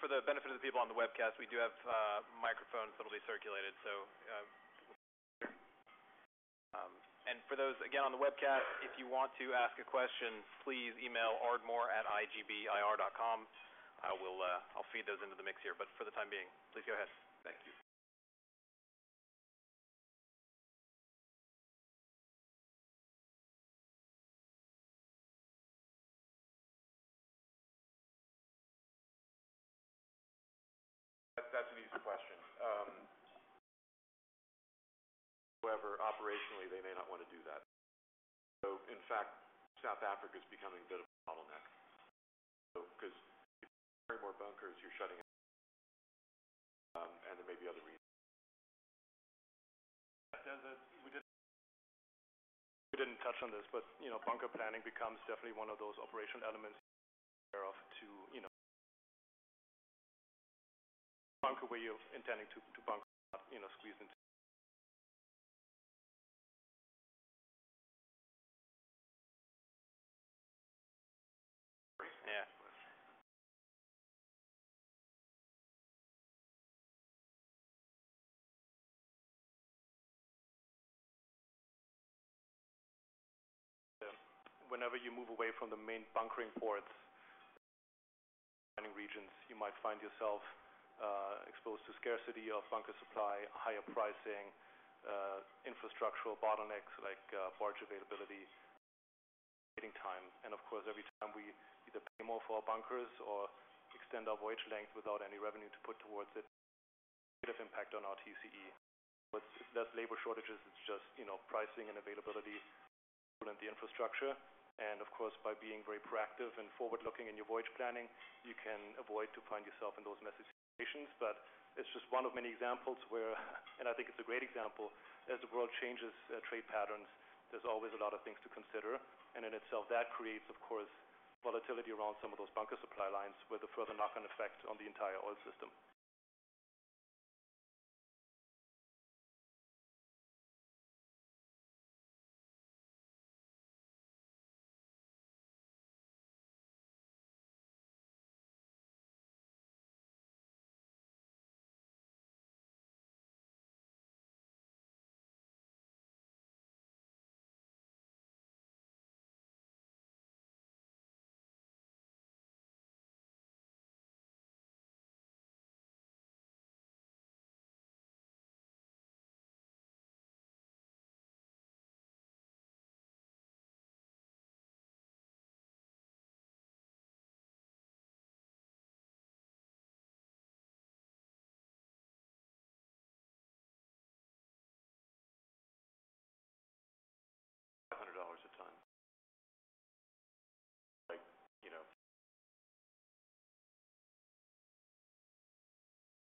For the benefit of the people on the webcast, we do have microphones that will be circulated, so. For those, again, on the webcast, if you want to ask a question, please email ardmore@igbir.com. I will, I'll feed those into the mix here, but for the time being, please go ahead. Thank you. That's, that's an easy question. However, operationally, they may not want to do that. So in fact, South Africa is becoming a bit of a bottleneck. So because if you carry more bunkers, you're shutting-... Yeah, that we didn't touch on this, but, you know, bunker planning becomes definitely one of those operational elements aware of to, you know, bunker where you're intending to bunker, not, you know, squeeze into. Yeah. Whenever you move away from the main bunkering ports regions, you might find yourself, exposed to scarcity of bunker supply, higher pricing, infrastructural bottlenecks, like, barge availability, waiting time. And of course, every time we either pay more for our bunkers or extend our voyage length without any revenue to put towards it, bit of impact on our TCE. But that's labor shortages, it's just, you know, pricing and availability and the infrastructure. And of course, by being very proactive and forward-looking in your voyage planning, you can avoid to find yourself in those messy situations. But it's just one of many examples where, and I think it's a great example, as the world changes, trade patterns, there's always a lot of things to consider. In itself, that creates, of course, volatility around some of those bunker supply lines with a further knock-on effect on the entire oil system.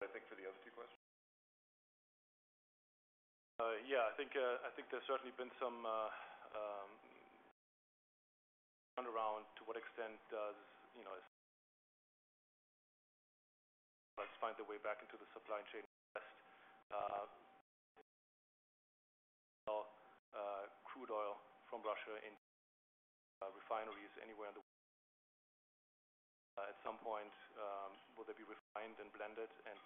$100 a ton. Like, you know... I think for the other two questions. Yeah, I think there's certainly been some around to what extent does, you know, find their way back into the supply chain. Crude oil from Russia in refineries anywhere in the... At some point, will they be refined and blended and...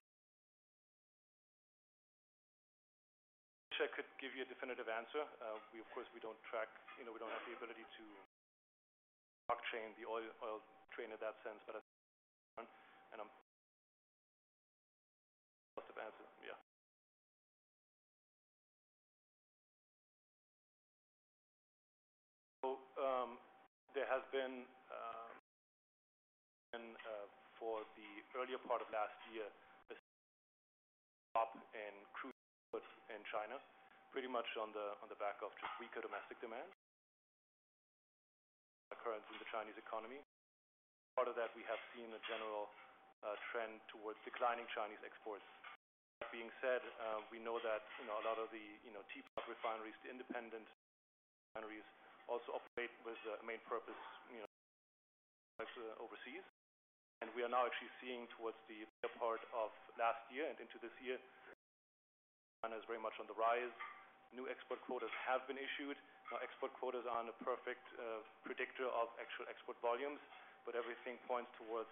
I wish I could give you a definitive answer. We of course, we don't track, you know, we don't have the ability to blockchain the oil, oil chain in that sense, but I, and I'm... Lots of answers. Yeah. So, there has been for the earlier part of last year, up in crude in China, pretty much on the back of just weaker domestic demand occurrence in the Chinese economy. Part of that, we have seen a general trend towards declining Chinese exports. That being said, we know that, you know, a lot of the, you know, Teapot refineries, the independent refineries also operate with a main purpose, you know, overseas. And we are now actually seeing towards the latter part of last year and into this year, China is very much on the rise. New export quotas have been issued. Now, export quotas aren't a perfect predictor of actual export volumes, but everything points towards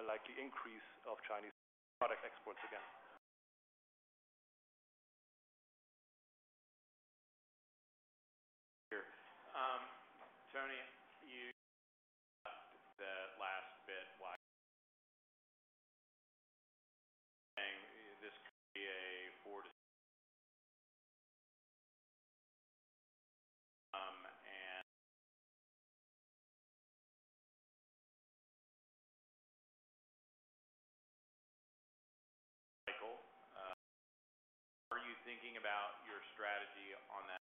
a likely increase of Chinese product exports again. Here. Tony, you the last bit why this could be a four to... And Michael, how are you thinking about your strategy on that?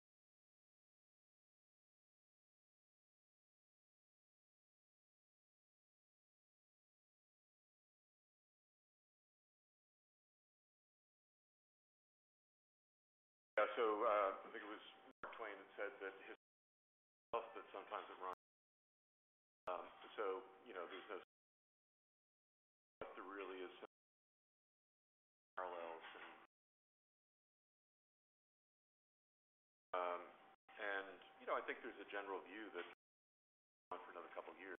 Yeah. So, I think it was Mark Twain that said that, "History, but sometimes it rhyme." So you know, there's no... But there really is parallels and... And, you know, I think there's a general view that for another couple of years,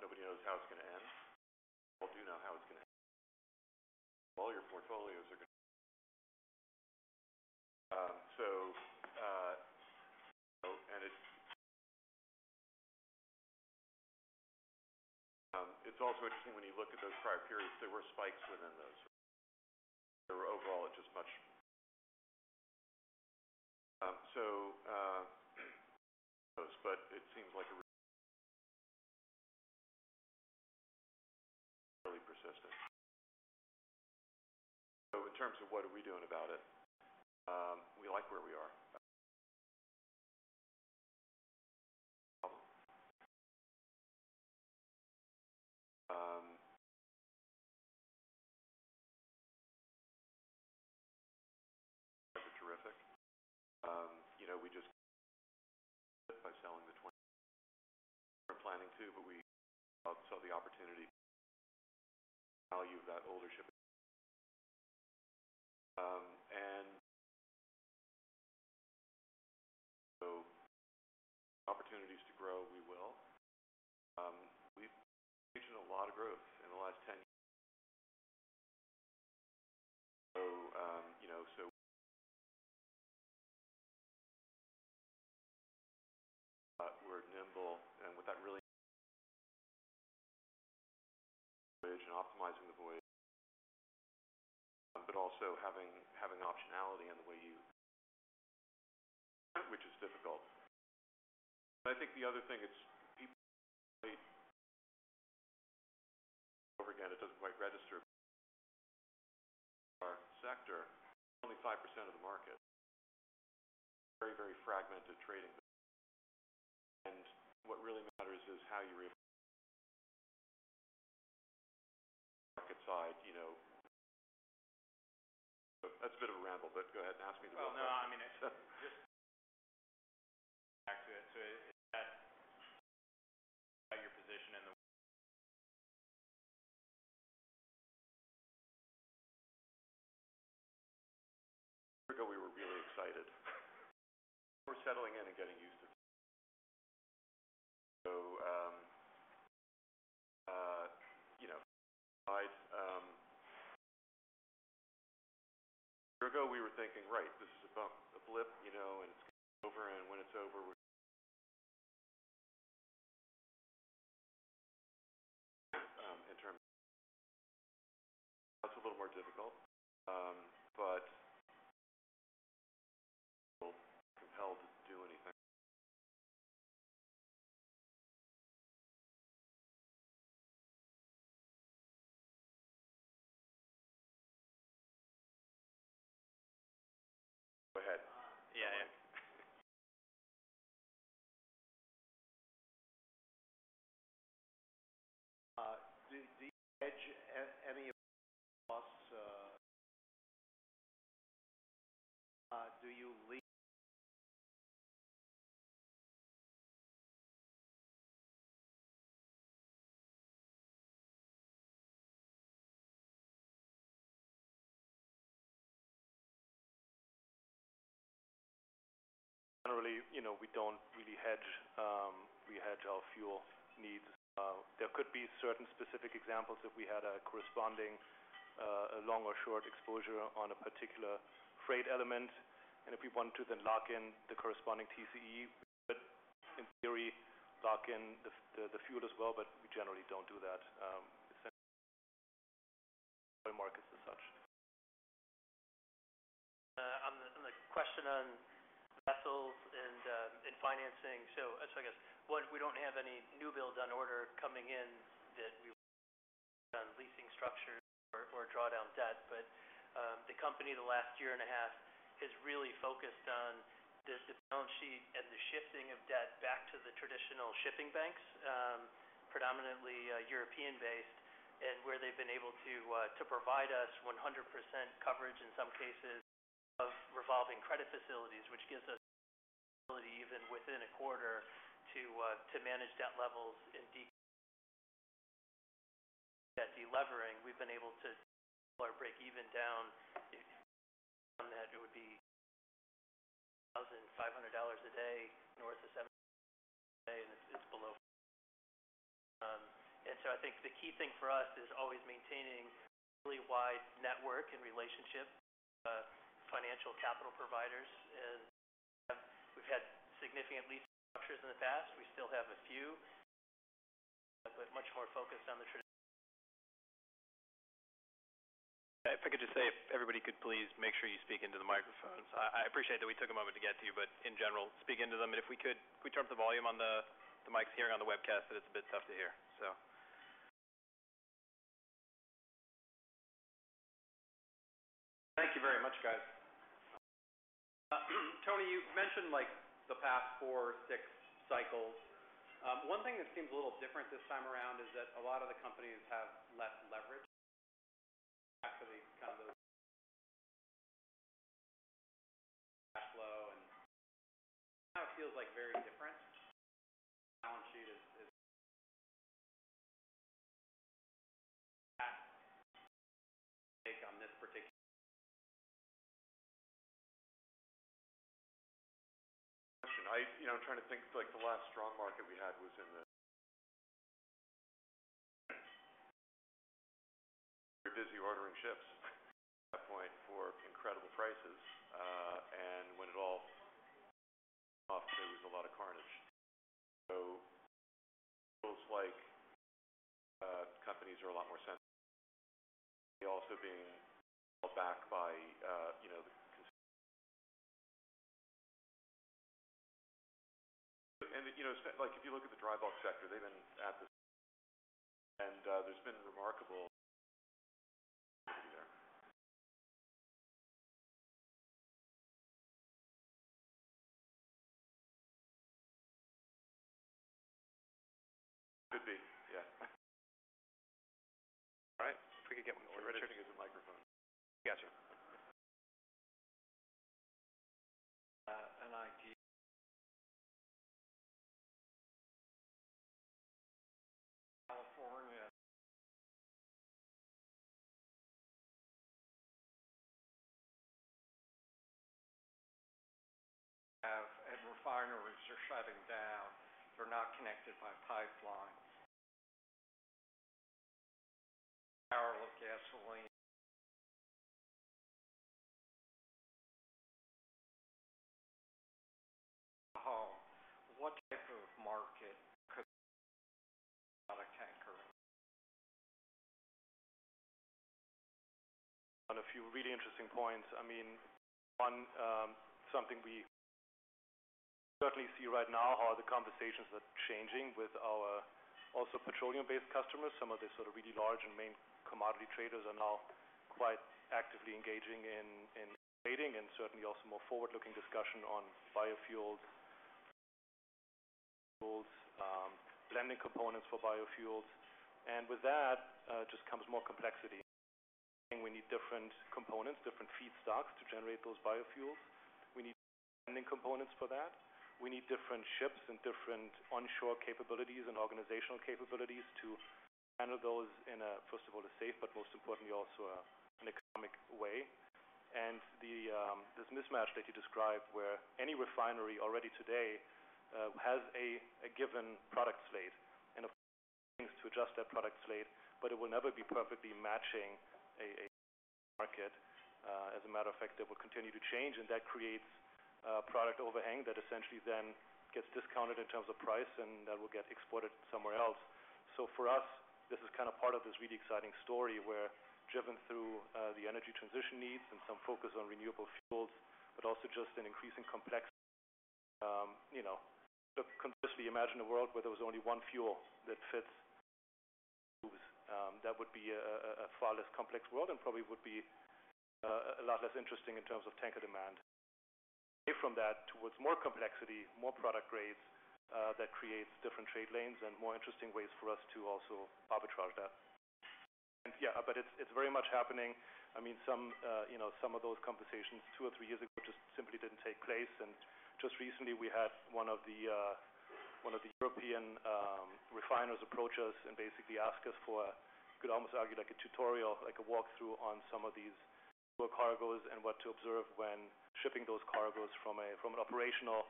nobody knows how it's gonna end. We all do know how it's gonna end. All your portfolios are gonna... So, so and it's, it's also interesting when you look at those prior periods, there were spikes within those. Overall, it's just much. So, but it seems like a really persistent. So in terms of what are we doing about it, we like where we are.... Those are terrific. You know, we just by selling the 20 were planning to, but we saw the opportunity, the value of that older ship. And so opportunities to grow, we will. We've seen a lot of growth in the last 10 years. So, you know, so we're nimble, and with that really optimizing the voice, but also having, having optionality in the way you, which is difficult. But I think the other thing, it's people over again, it doesn't quite register. Our sector, only 5% of the market. Very, very fragmented trading, and what really matters is how you market side, you know. That's a bit of a ramble, but go ahead and ask me the question. Well, no, I mean, it's just back to it. So it, it's that your position in the... We were really excited. We're settling in and getting used to. So, you know, a year ago, we were thinking, right, this is a bump, a blip, you know, and it's going to be over, and when it's over, we're... In terms... That's a little more difficult, but compelled to do anything. Go ahead. Yeah, yeah. Do you hedge any of us? Do you lean- Generally, you know, we don't really hedge. We hedge our fuel needs. There could be certain specific examples if we had a corresponding, a long or short exposure on a particular freight element. If we want to then lock in the corresponding TCE, we could, in theory, lock in the fuel as well, but we generally don't do that, essentially markets as such. On the question on vessels and financing. So I guess one, we don't have any new builds on order coming in that we on leasing structures or draw down debt. But the company, the last year and a half, has really focused on just the balance sheet and the shifting of debt back to the traditional shipping banks, predominantly European-based, and where they've been able to provide us 100% coverage, in some cases, of revolving credit facilities, which gives us the ability, even within a quarter, to manage debt levels in depth. At delevering, we've been able to break even down. On that, it would be $1,500 a day, north of $7 a day, and it's below. and so I think the key thing for us is always maintaining a really wide network and relationship, financial capital providers, and, we've had significant lead structures in the past. We still have a few, but much more focused on the trad- If I could just say, if everybody could please make sure you speak into the microphones. I appreciate that we took a moment to get to you, but in general, speak into them. And if we could, could we turn up the volume on the mics here on the webcast, that it's a bit tough to hear. So... Thank you very much, guys. Tony, you've mentioned, like, the past four or six cycles. One thing that seems a little different this time around is that a lot of the companies have less leverage after these kind of those... flow, and now it feels, like, very different. Balance sheet is... Take on this particular. You know, I'm trying to think, like, the last strong market we had was in the... We were busy ordering ships at that point for incredible prices, and when it all off, there was a lot of carnage. So it feels like companies are a lot more sensible, also being held back by, you know... You know, like, if you look at the dry bulk sector, they've been at this, and there's been remarkable-... Could be, yeah. All right, if we could get one more- Turning on the microphone. Gotcha. California refineries are shutting down. They're not connected by pipelines. Barrel of gasoline. Oh, what type of market could product tanker? On a few really interesting points. I mean, one, something we certainly see right now are the conversations that are changing with our also petroleum-based customers. Some of the sort of really large and main commodity traders are now quite actively engaging in trading, and certainly also more forward-looking discussion on biofuels, fuels, blending components for biofuels. And with that, just comes more complexity. We need different components, different feedstocks to generate those biofuels. We need blending components for that. We need different ships and different onshore capabilities and organizational capabilities to handle those in a first of all, a safe, but most importantly, also, an economic way. This mismatch that you describe, where any refinery already today has a given product slate, and a lot of things to adjust that product slate, but it will never be perfectly matching a market. As a matter of fact, it will continue to change, and that creates a product overhang that essentially then gets discounted in terms of price, and that will get exported somewhere else. So for us, this is kind of part of this really exciting story where, driven through the energy transition needs and some focus on renewable fuels, but also just an increasing complexity. You know, conversely, imagine a world where there was only one fuel that fits, moves, that would be a far less complex world and probably would be a lot less interesting in terms of tanker demand. From that, towards more complexity, more product grades, that creates different trade lanes and more interesting ways for us to also arbitrage that. Yeah, but it's, it's very much happening. I mean, some, you know, some of those conversations two or three years ago just simply didn't take place. And just recently, we had one of the, one of the European refiners approach us and basically ask us for, you could almost argue like a tutorial, like a walkthrough on some of these cargoes and what to observe when shipping those cargoes from a, from an operational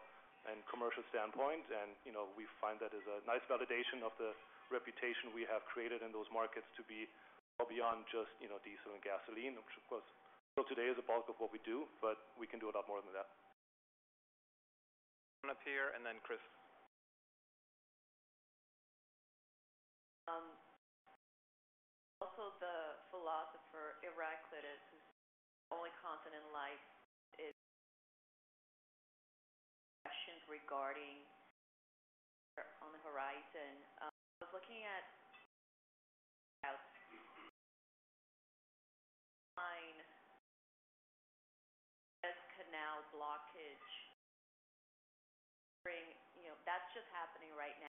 and commercial standpoint. You know, we find that as a nice validation of the reputation we have created in those markets to be well beyond just, you know, diesel and gasoline, which of course, still today is a bulk of what we do, but we can do a lot more than that. Up here, and then Chris. Also, the philosopher Heraclitus, whose only constant in life is... Questions regarding on the horizon. I was looking at... Suez Canal blockage, you know, that's just happening right now.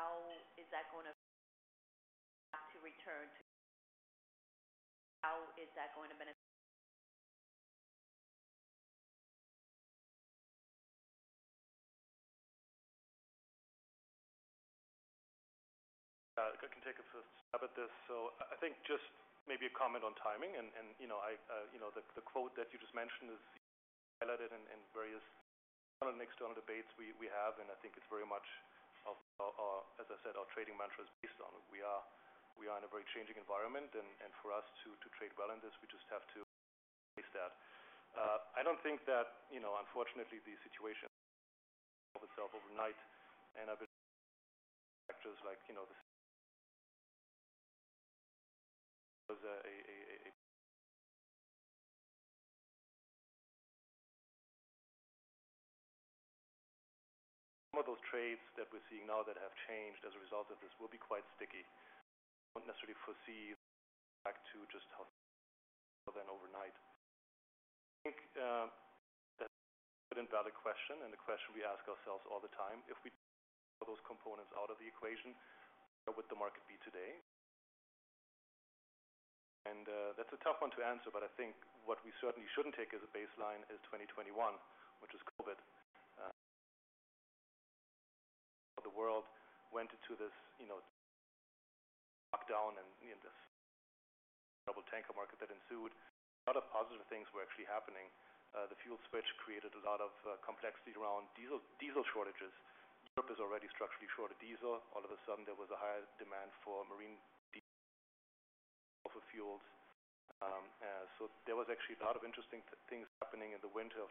How is that going to return to... How is that going to benefit? I can take a stab at this. So I think just maybe a comment on timing and, you know, the quote that you just mentioned is highlighted in various next debates we have, and I think it's very much of our, as I said, our trading mantra is based on we are in a very changing environment, and for us to trade well in this, we just have to face that. I don't think that, you know, unfortunately, the situation itself overnight, and I've been factors like, you know, the... Some of those trades that we're seeing now that have changed as a result of this will be quite sticky. Won't necessarily foresee back to just how then overnight. I think, that valid question, and the question we ask ourselves all the time, if we take those components out of the equation, where would the market be today? And, that's a tough one to answer, but I think what we certainly shouldn't take as a baseline is 2021, which is COVID. The world went into this, you know, lockdown and, you know, this double tanker market that ensued. A lot of positive things were actually happening. The fuel switch created a lot of complexity around diesel, diesel shortages. Europe is already structurally short of diesel. All of a sudden, there was a higher demand for marine diesel fuels. So there was actually a lot of interesting things happening in the winter of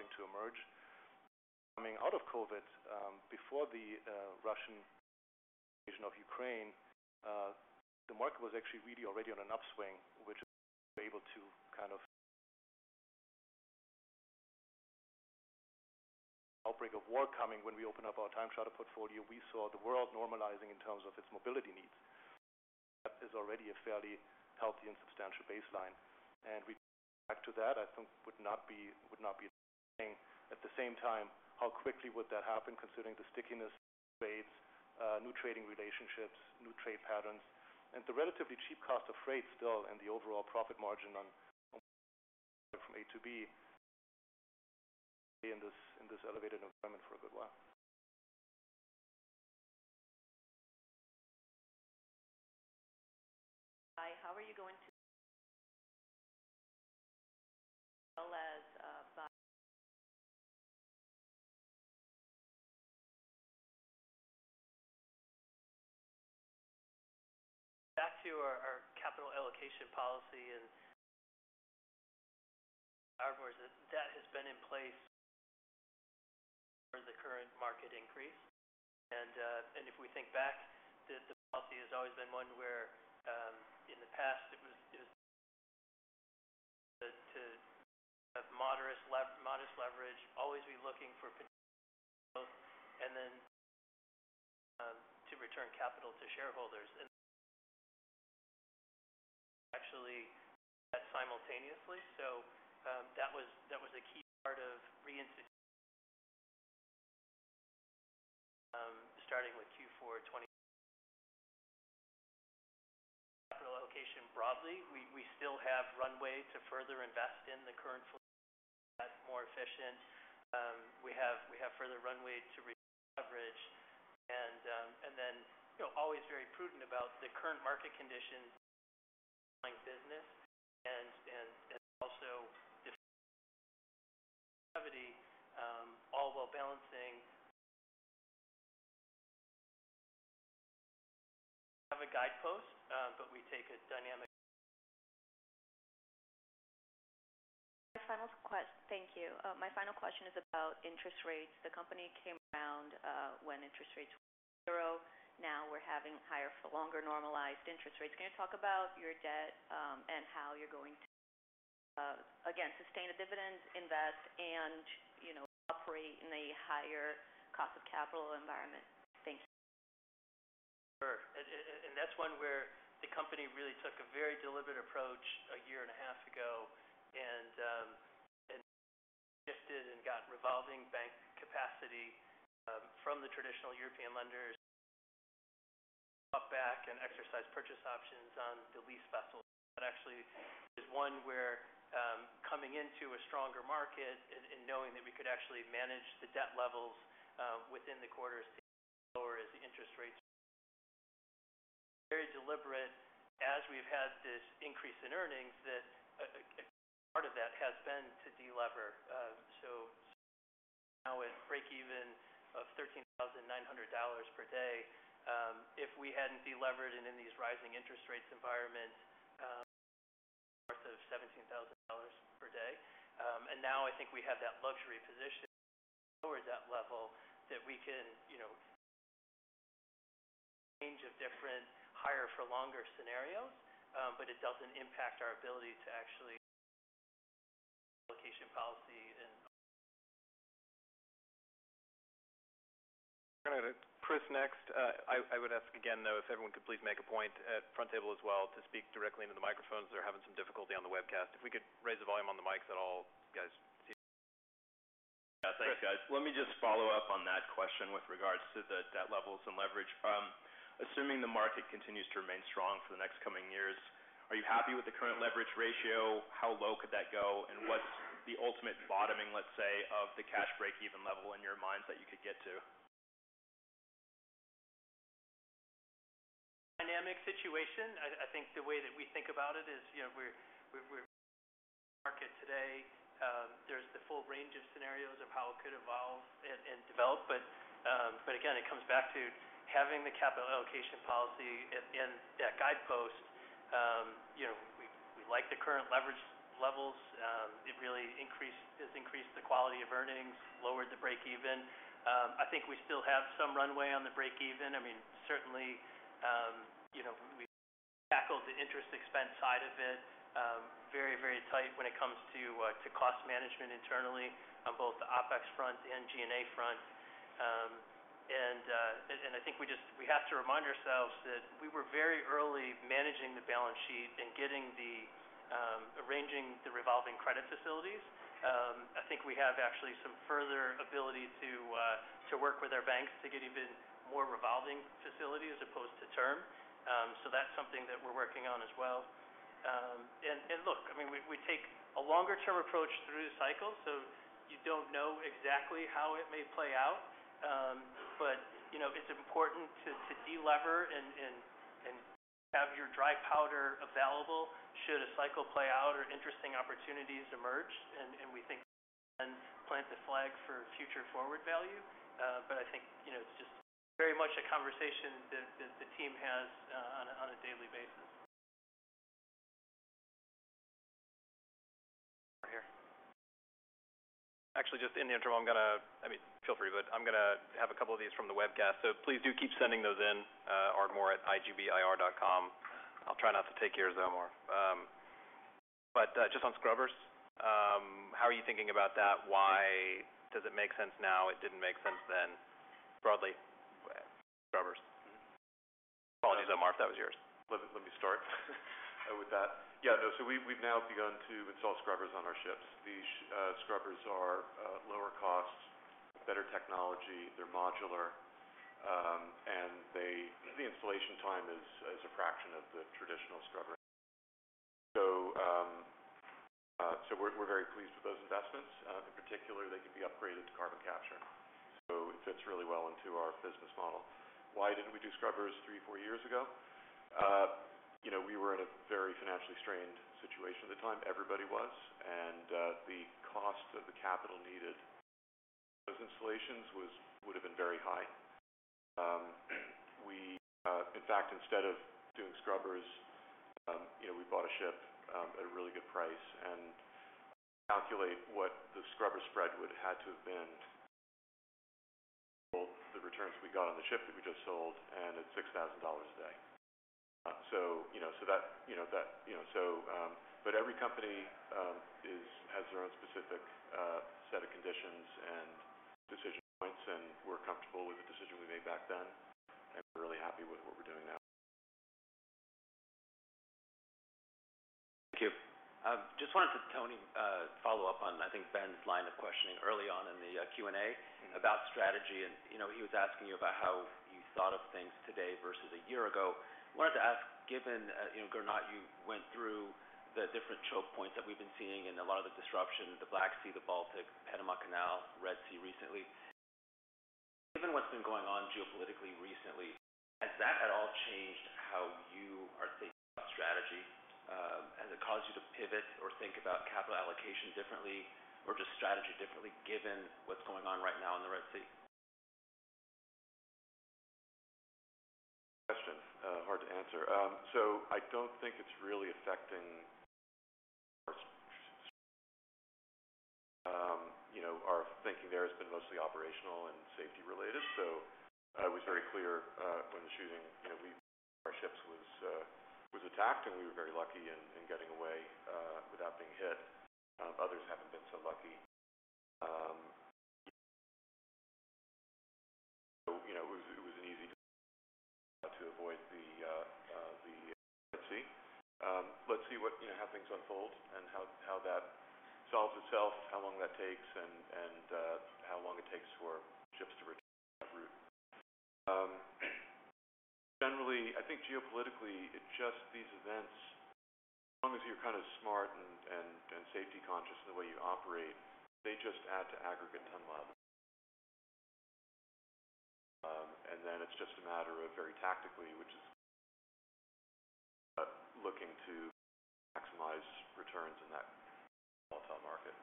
2020-2021. Coming out of COVID, before the Russian invasion of Ukraine, the market was actually really already on an upswing, which was able to kind of... Outbreak of war coming when we opened up our time charter portfolio, we saw the world normalizing in terms of its mobility needs.... is already a fairly healthy and substantial baseline, and we go back to that, I think, would not be, would not be at the same time, how quickly would that happen considering the stickiness of rates, new trading relationships, new trade patterns, and the relatively cheap cost of freight still and the overall profit margin on from A to B in this, in this elevated environment for a good while. Hi, how are you going to- Well, as, Back to our capital allocation policy and ours that has been in place for the current market increase. And if we think back, the policy has always been one where, in the past, it was to have modest leverage, always be looking for potential, and then to return capital to shareholders. And actually that simultaneously. So that was a key part of reinstituting, starting with Q4 2020. Capital allocation broadly, we still have runway to further invest in the current more efficient. We have further runway to leverage. And then, you know, always very prudent about the current market conditions, business and also the gravity, all while balancing. Have a guidepost, but we take a dynamic- Thank you. My final question is about interest rates. The company came around when interest rates were 0. Now we're having higher for longer normalized interest rates. Can you talk about your debt and how you're going to again sustain a dividend, invest and, you know, operate in the higher cost of capital environment? Thank you. Sure. And that's one where the company really took a very deliberate approach a year and a half ago, and shifted and got revolving bank capacity from the traditional European lenders. Bought back and exercised purchase options on the lease vessels. That actually is one where, coming into a stronger market and knowing that we could actually manage the debt levels within the quarter lower as the interest rates. Very deliberate as we've had this increase in earnings, that a part of that has been to delever. So now at breakeven of $13,900 per day, if we hadn't delevered and in these rising interest rates environment, north of $17,000 per day. And now I think we have that luxury position lower that level, that we can, you know, range of different, higher for longer scenarios, but it doesn't impact our ability to actually location policy and- Chris, next, I would ask again, though, if everyone could please make a point at front table as well, to speak directly into the microphones. They're having some difficulty on the webcast. If we could raise the volume on the mics at all, guys. Yeah. Thanks, guys. Let me just follow up on that question with regards to the debt levels and leverage. Assuming the market continues to remain strong for the next coming years, are you happy with the current leverage ratio? How low could that go? And what's the ultimate bottoming, let's say, of the cash breakeven level in your minds that you could get to? Dynamic situation. I think the way that we think about it is, you know, we're market today. There's the full range of scenarios of how it could evolve and develop. But again, it comes back to having the capital allocation policy and that guidepost. You know, we like the current leverage levels. It really increased—it's increased the quality of earnings, lowered the breakeven. I think we still have some runway on the breakeven. I mean, certainly, you know, we tackled the interest expense side of it, very tight when it comes to cost management internally on both the OpEx front and G&A front. I think we just have to remind ourselves that we were very early managing the balance sheet and getting the arranging the revolving credit facilities. I think we have actually some further ability to work with our banks to get even more revolving facility as opposed to term. So that's something that we're working on as well. Look, I mean, we take a longer-term approach through the cycle, so you don't know exactly how it may play out. But, you know, it's important to delever and have your dry powder available should a cycle play out or interesting opportunities emerge. And we think then plant the flag for future forward value. But I think, you know, it's just very much a conversation that the team has on a daily basis. Here. Actually, just in the interim, I'm gonna... I mean, feel free, but I'm gonna have a couple of these from the webcast, so please do keep sending those in, Ardmore@igbir.com. I'll try not to take yours, Omar.... But just on scrubbers, how are you thinking about that? Why does it make sense now? It didn't make sense then. Broadly, scrubbers. Apologies, Bart, that was yours. Let me start with that. Yeah, no, so we've now begun to install scrubbers on our ships. These scrubbers are lower cost, better technology, they're modular, and the installation time is a fraction of the traditional scrubber. So we're very pleased with those investments. In particular, they can be upgraded to carbon capture, so it fits really well into our business model. Why didn't we do scrubbers three to four years ago? You know, we were in a very financially strained situation at the time. Everybody was, and the cost of the capital needed for those installations would have been very high. We, in fact, instead of doing scrubbers, you know, we bought a ship at a really good price, and calculate what the scrubber spread would had to have been, the returns we got on the ship that we just sold, and it's $6,000 a day. So, you know, so that, you know that... You know, so, but every company has their own specific set of conditions and decision points, and we're comfortable with the decision we made back then, and we're really happy with what we're doing now. Thank you. Just wanted to, Tony, follow up on, I think, Ben's line of questioning early on in the Q&A about strategy. You know, he was asking you about how you thought of things today versus a year ago. Wanted to ask, given, you know, Gernot, you went through the different choke points that we've been seeing and a lot of the disruption, the Black Sea, the Baltic Sea, Panama Canal, Red Sea recently. Given what's been going on geopolitically recently, has that at all changed how you are thinking about strategy? Has it caused you to pivot or think about capital allocation differently, or just strategy differently given what's going on right now in the Red Sea? Question, hard to answer. So I don't think it's really affecting our, you know, our thinking there has been mostly operational and safety related. So I was very clear, when choosing, you know, we, our ships was attacked, and we were very lucky in getting away, without being hit. Others haven't been so lucky. You know, it was an easy to avoid the, the, let's see. Let's see what, you know, how things unfold and how that solves itself, how long that takes, and how long it takes for ships to return that route. Generally, I think geopolitically, it just these events, as long as you're kind of smart and safety conscious in the way you operate, they just add to aggregate ton level. Then it's just a matter of very tactically, which is looking to maximize returns in that market.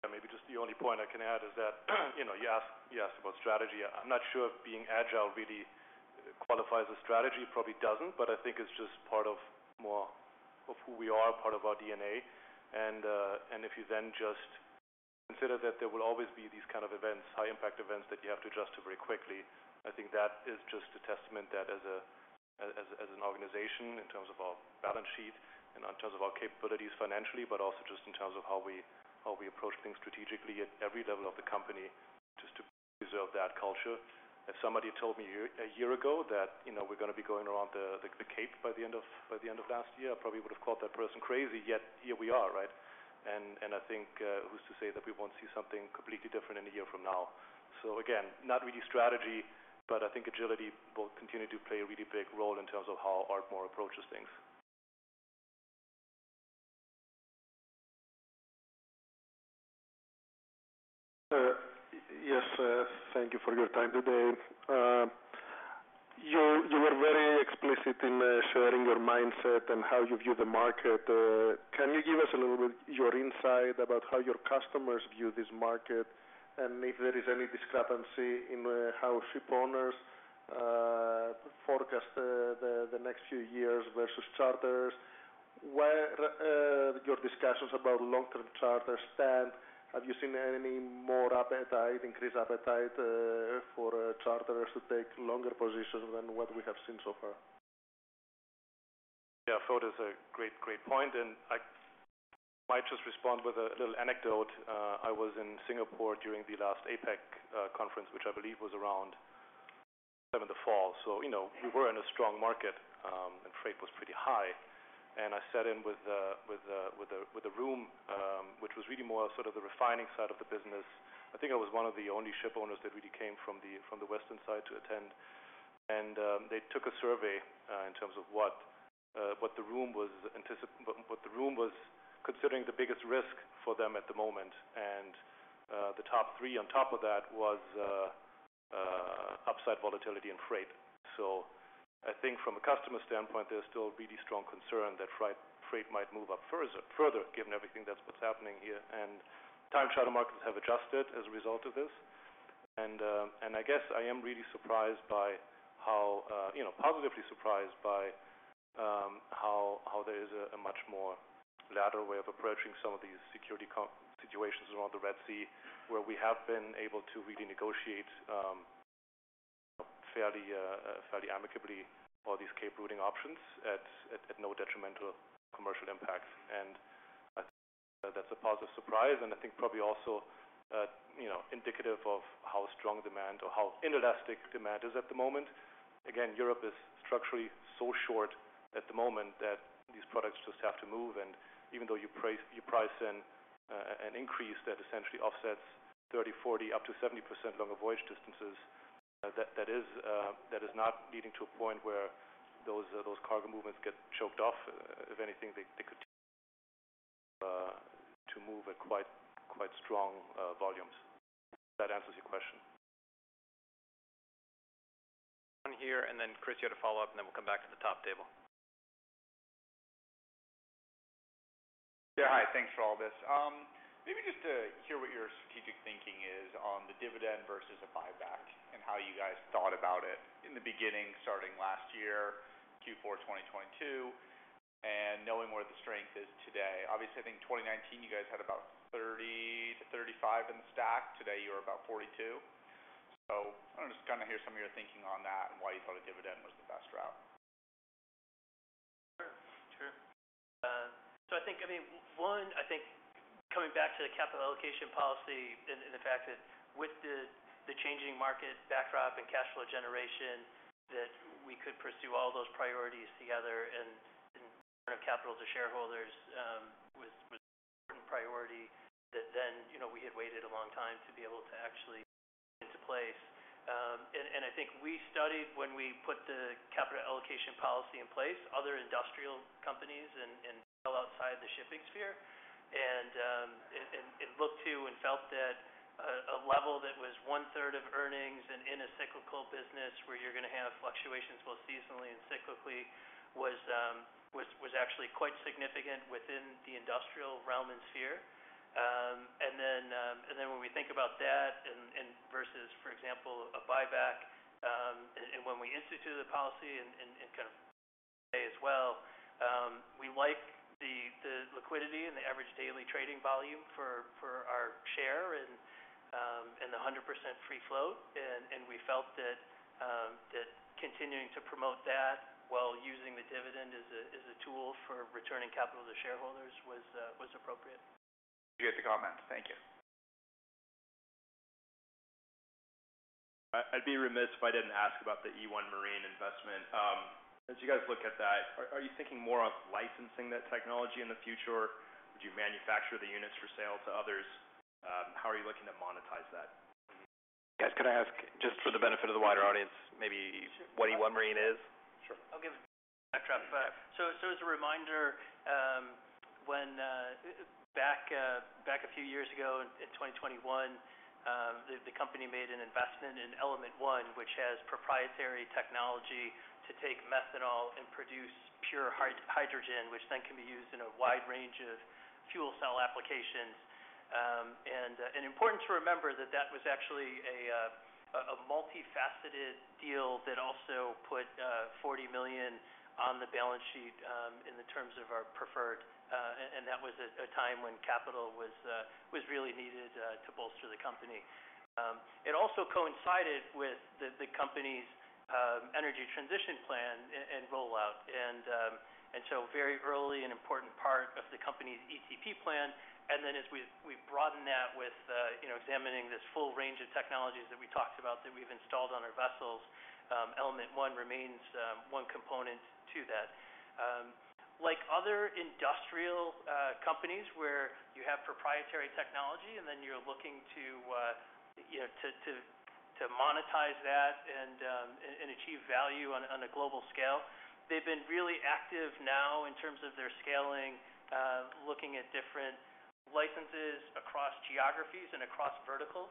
Yeah, maybe just the only point I can add is that, you know, you asked, you asked about strategy. I'm not sure if being agile really qualifies as strategy. It probably doesn't, but I think it's just part of more of who we are, part of our DNA. And if you then just consider that there will always be these kind of events, high impact events, that you have to adjust to very quickly. I think that is just a testament that as an organization, in terms of our balance sheet and in terms of our capabilities financially, but also just in terms of how we approach things strategically at every level of the company, just to preserve that culture. If somebody told me a year ago that, you know, we're going to be going around the, the Cape by the end of, by the end of last year, I probably would have called that person crazy, yet here we are, right? And, and I think, who's to say that we won't see something completely different in a year from now? So again, not really strategy, but I think agility will continue to play a really big role in terms of how Ardmore approaches things. Yes, thank you for your time today. You were very explicit in sharing your mindset and how you view the market. Can you give us a little bit your insight about how your customers view this market, and if there is any discrepancy in how shipowners forecast the next few years versus charters? Where your discussions about long-term charters stand, have you seen any more appetite, increased appetite, for charters to take longer positions than what we have seen so far? Yeah, that's a great, great point, and I might just respond with a little anecdote. I was in Singapore during the last APAC conference, which I believe was around the fall. So, you know, we were in a strong market, and freight was pretty high. And I sat in with a room, which was really more sort of the refining side of the business. I think I was one of the only shipowners that really came from the western side to attend. And they took a survey in terms of what the room was considering the biggest risk for them at the moment. And the top three on top of that was upside volatility and freight. So I think from a customer standpoint, there's still a really strong concern that freight might move up further, given everything that's what's happening here. And time charter markets have adjusted as a result of this. And I guess I am really surprised by how you know positively surprised by how there is a much more lateral way of approaching some of these security situations around the Red Sea, where we have been able to really negotiate fairly amicably all these Cape routing options at no detrimental commercial impacts. And that's a positive surprise, and I think probably also you know indicative of how strong demand or how inelastic demand is at the moment. Again, Europe is structurally so short at the moment that these products just have to move, and even though you price, you price in, an increase that essentially offsets 30%, 40%, up to 70% longer voyage distances, that, that is, that is not leading to a point where those, those cargo movements get choked off. If anything, they, they could, to move at quite, quite strong, volumes. If that answers your question. One here, and then, Chris, you had a follow-up, and then we'll come back to the top table. Yeah, hi. Thanks for all this. Maybe just to hear what your strategic thinking is on the dividend versus a buyback, and how you guys thought about it in the beginning, starting last year, Q4 2022, and knowing where the strength is today. Obviously, I think 2019, you guys had about 30-35 in the stack. Today, you're about 42. So I want to just kind of hear some of your thinking on that and why you thought a dividend was the best route. Sure. Sure. So I think, I mean, one, I think coming back to the capital allocation policy and the fact that with the changing market backdrop and cash flow generation, that we could pursue all those priorities together, and return of capital to shareholders, was an important priority that then, you know, we had waited a long time to be able to actually put into place. And I think we studied when we put the capital allocation policy in place, other industrial companies and well outside the shipping sphere. And looked to and felt that a level that was 1/3 of earnings and in a cyclical business where you're gonna have fluctuations, both seasonally and cyclically, was actually quite significant within the industrial realm and sphere. And then when we think about that and versus, for example, a buyback, and when we instituted the policy and kind of today as well, we like the liquidity and the average daily trading volume for our share and the 100% free flow. And we felt that continuing to promote that while using the dividend as a tool for returning capital to shareholders was appropriate. Appreciate the comment. Thank you. I, I'd be remiss if I didn't ask about the e1 Marine investment. As you guys look at that, are you thinking more of licensing that technology in the future, or would you manufacture the units for sale to others? How are you looking to monetize that? Guys, could I ask, just for the benefit of the wider audience, maybe what e1 Marine is? Sure. I'll give a backdrop. So, as a reminder, when back a few years ago in 2021, the company made an investment in Element 1, which has proprietary technology to take methanol and produce pure hydrogen, which then can be used in a wide range of fuel cell applications. And important to remember that that was actually a multifaceted deal that also put $40 million on the balance sheet in the terms of our preferred, and that was at a time when capital was really needed to bolster the company. It also coincided with the company's energy transition plan and rollout, and so very early and important part of the company's ETP plan. And then as we've broadened that with, you know, examining this full range of technologies that we talked about that we've installed on our vessels, Element 1 remains one component to that. Like other industrial companies, where you have proprietary technology, and then you're looking to, you know, to monetize that and achieve value on a global scale, they've been really active now in terms of their scaling, looking at different licenses across geographies and across verticals.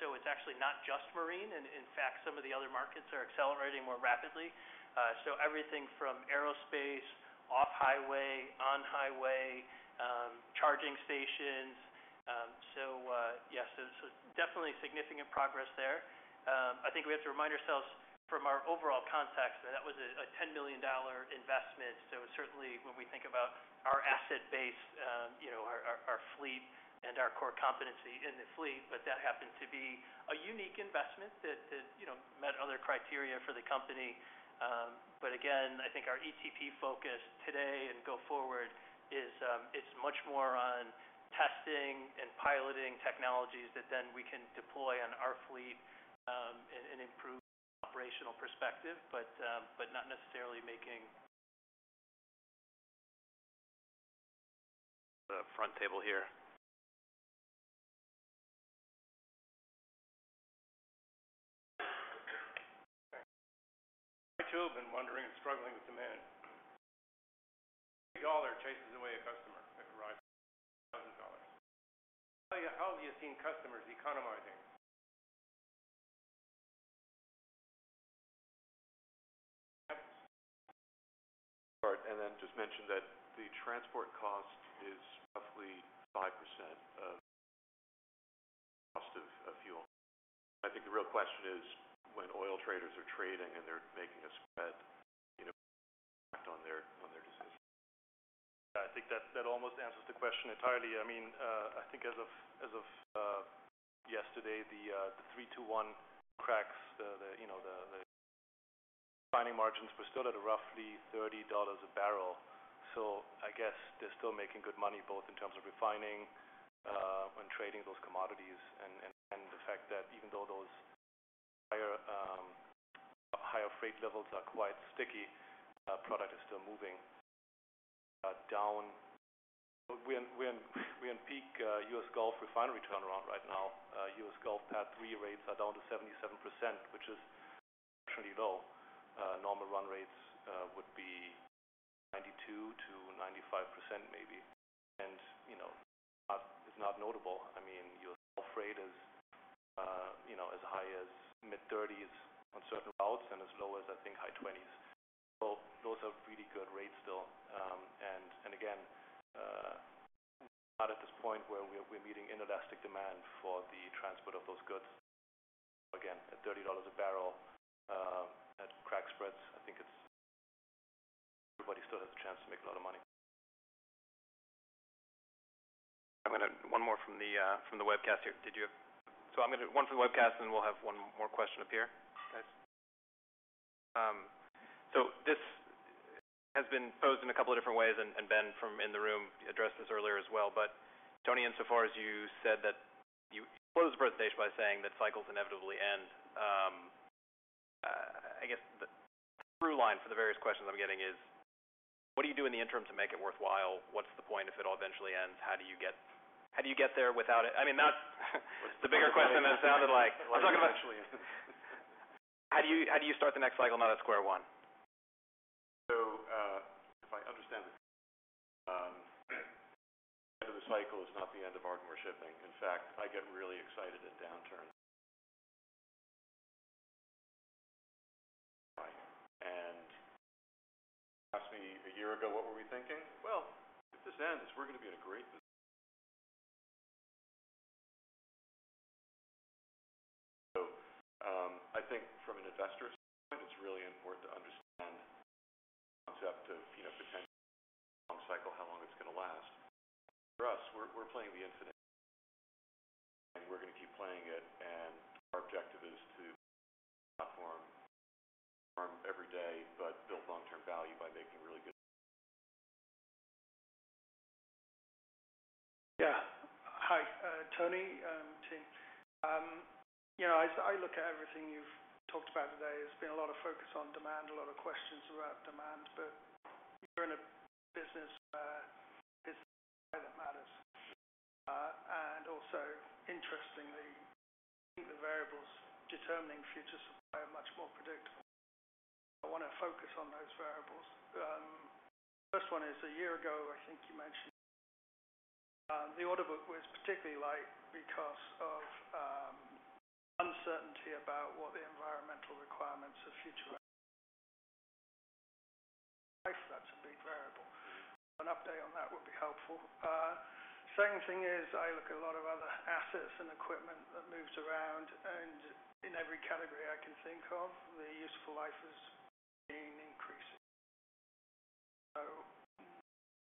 So it's actually not just marine, and in fact, some of the other markets are accelerating more rapidly. So yes, so definitely significant progress there. I think we have to remind ourselves from our overall context, that was a $10 million investment. Certainly, when we think about our asset base, you know, our fleet and our core competency in the fleet, but that happened to be a unique investment that you know met other criteria for the company. But again, I think our ETP focus today and go forward is, it's much more on testing and piloting technologies that then we can deploy on our fleet, and improve operational perspective, but not necessarily making- The front table here. I, too, have been wondering and struggling with demand. Every dollar chases away a customer that arrives at a thousand dollars. How, how have you seen customers economizing?... And then just mention that the transport cost is roughly 5% of the cost of fuel. I think the real question is, when oil traders are trading-... I think that almost answers the question entirely. I mean, I think as of yesterday, the 3-2-1 cracks, you know, the refining margins were still at a roughly $30 a barrel. So I guess they're still making good money, both in terms of refining and trading those commodities. And the fact that even though those higher higher freight levels are quite sticky, product is still moving down. We're in peak U.S. Gulf refinery turnaround right now. U.S. Gulf PADD 3 rates are down to 77%, which is extremely low. Normal run rates would be 92%-95% maybe. And you know, it's not notable. I mean, your freight is, you know, as high as mid-30s on certain routes and as low as I think, high 20s. So those are really good rates still. And again, not at this point where we're meeting inelastic demand for the transport of those goods. Again, at $30 a barrel, at crack spreads, I think it's... Everybody still has a chance to make a lot of money. I'm gonna one more from the webcast here. Did you have? So I'm gonna do one from the webcast, and we'll have one more question up here, guys. So this has been posed in a couple of different ways, and, and Ben from in the room addressed this earlier as well. But Tony, insofar as you said that you closed the presentation by saying that cycles inevitably end. I guess the through line for the various questions I'm getting is: What do you do in the interim to make it worthwhile? What's the point if it all eventually ends? How do you get, how do you get there without it? I mean, that's the bigger question than it sounded like. We're talking about- Eventually. How do you start the next cycle, not at square one? If I understand, the end of the cycle is not the end of Ardmore Shipping. In fact, I get really excited at downturns. If you asked me a year ago, what were we thinking? Well, if this ends, we're going to be in a great position. I think from an investor standpoint, it's really important to understand the concept of, you know, potential cycle, how long it's going to last. For us, we're playing the infinite game, and we're going to keep playing it, and our objective is to platform every day, but build long-term value by making really good... Yeah. Hi, Tony, Tim. You know, as I look at everything you've talked about today, there's been a lot of focus on demand, a lot of questions about demand, but you're in a business where it's what matters. And also, interestingly, I think the variables determining future supply are much more predictable. I want to focus on those variables. The first one is, a year ago, I think you mentioned, the order book was particularly light because of uncertainty about what the environmental requirements of future... That's a big variable. An update on that would be helpful. Second thing is, I look at a lot of other assets and equipment that moves around, and in every category I can think of, the useful life is being increased.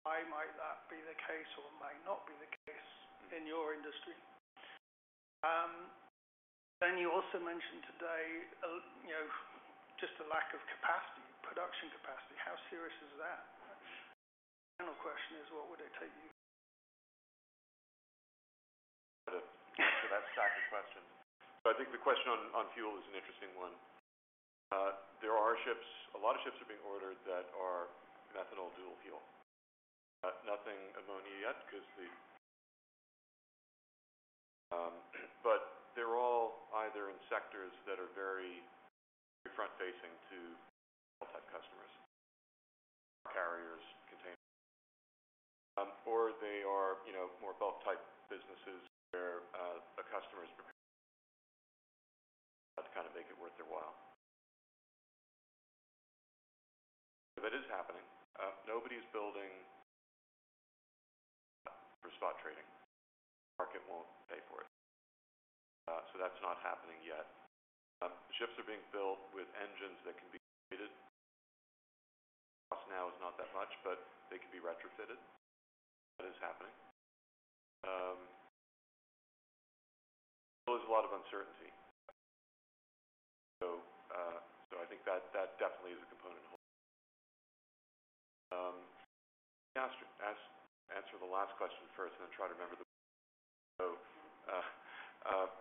Why might that be the case or may not be the case in your industry? You also mentioned today, you know, just the lack of capacity, production capacity. How serious is that? The final question is: What would it take you- To answer that stack of questions. So I think the question on fuel is an interesting one. There are ships, a lot of ships are being ordered that are methanol dual fuel, but nothing ammonia yet because the. But they're all either in sectors that are very front-facing to customers, carriers, containers, or they are, you know, more belt-type businesses where a customer is prepared to make it worth their while. If it is happening, nobody's building for spot trading. Market won't pay for it. So that's not happening yet. Ships are being built with engines that can be created. Cost now is not that much, but they can be retrofitted. That is happening. So there's a lot of uncertainty. So I think that definitely is a component. Answer the last question first and then try to remember the... So,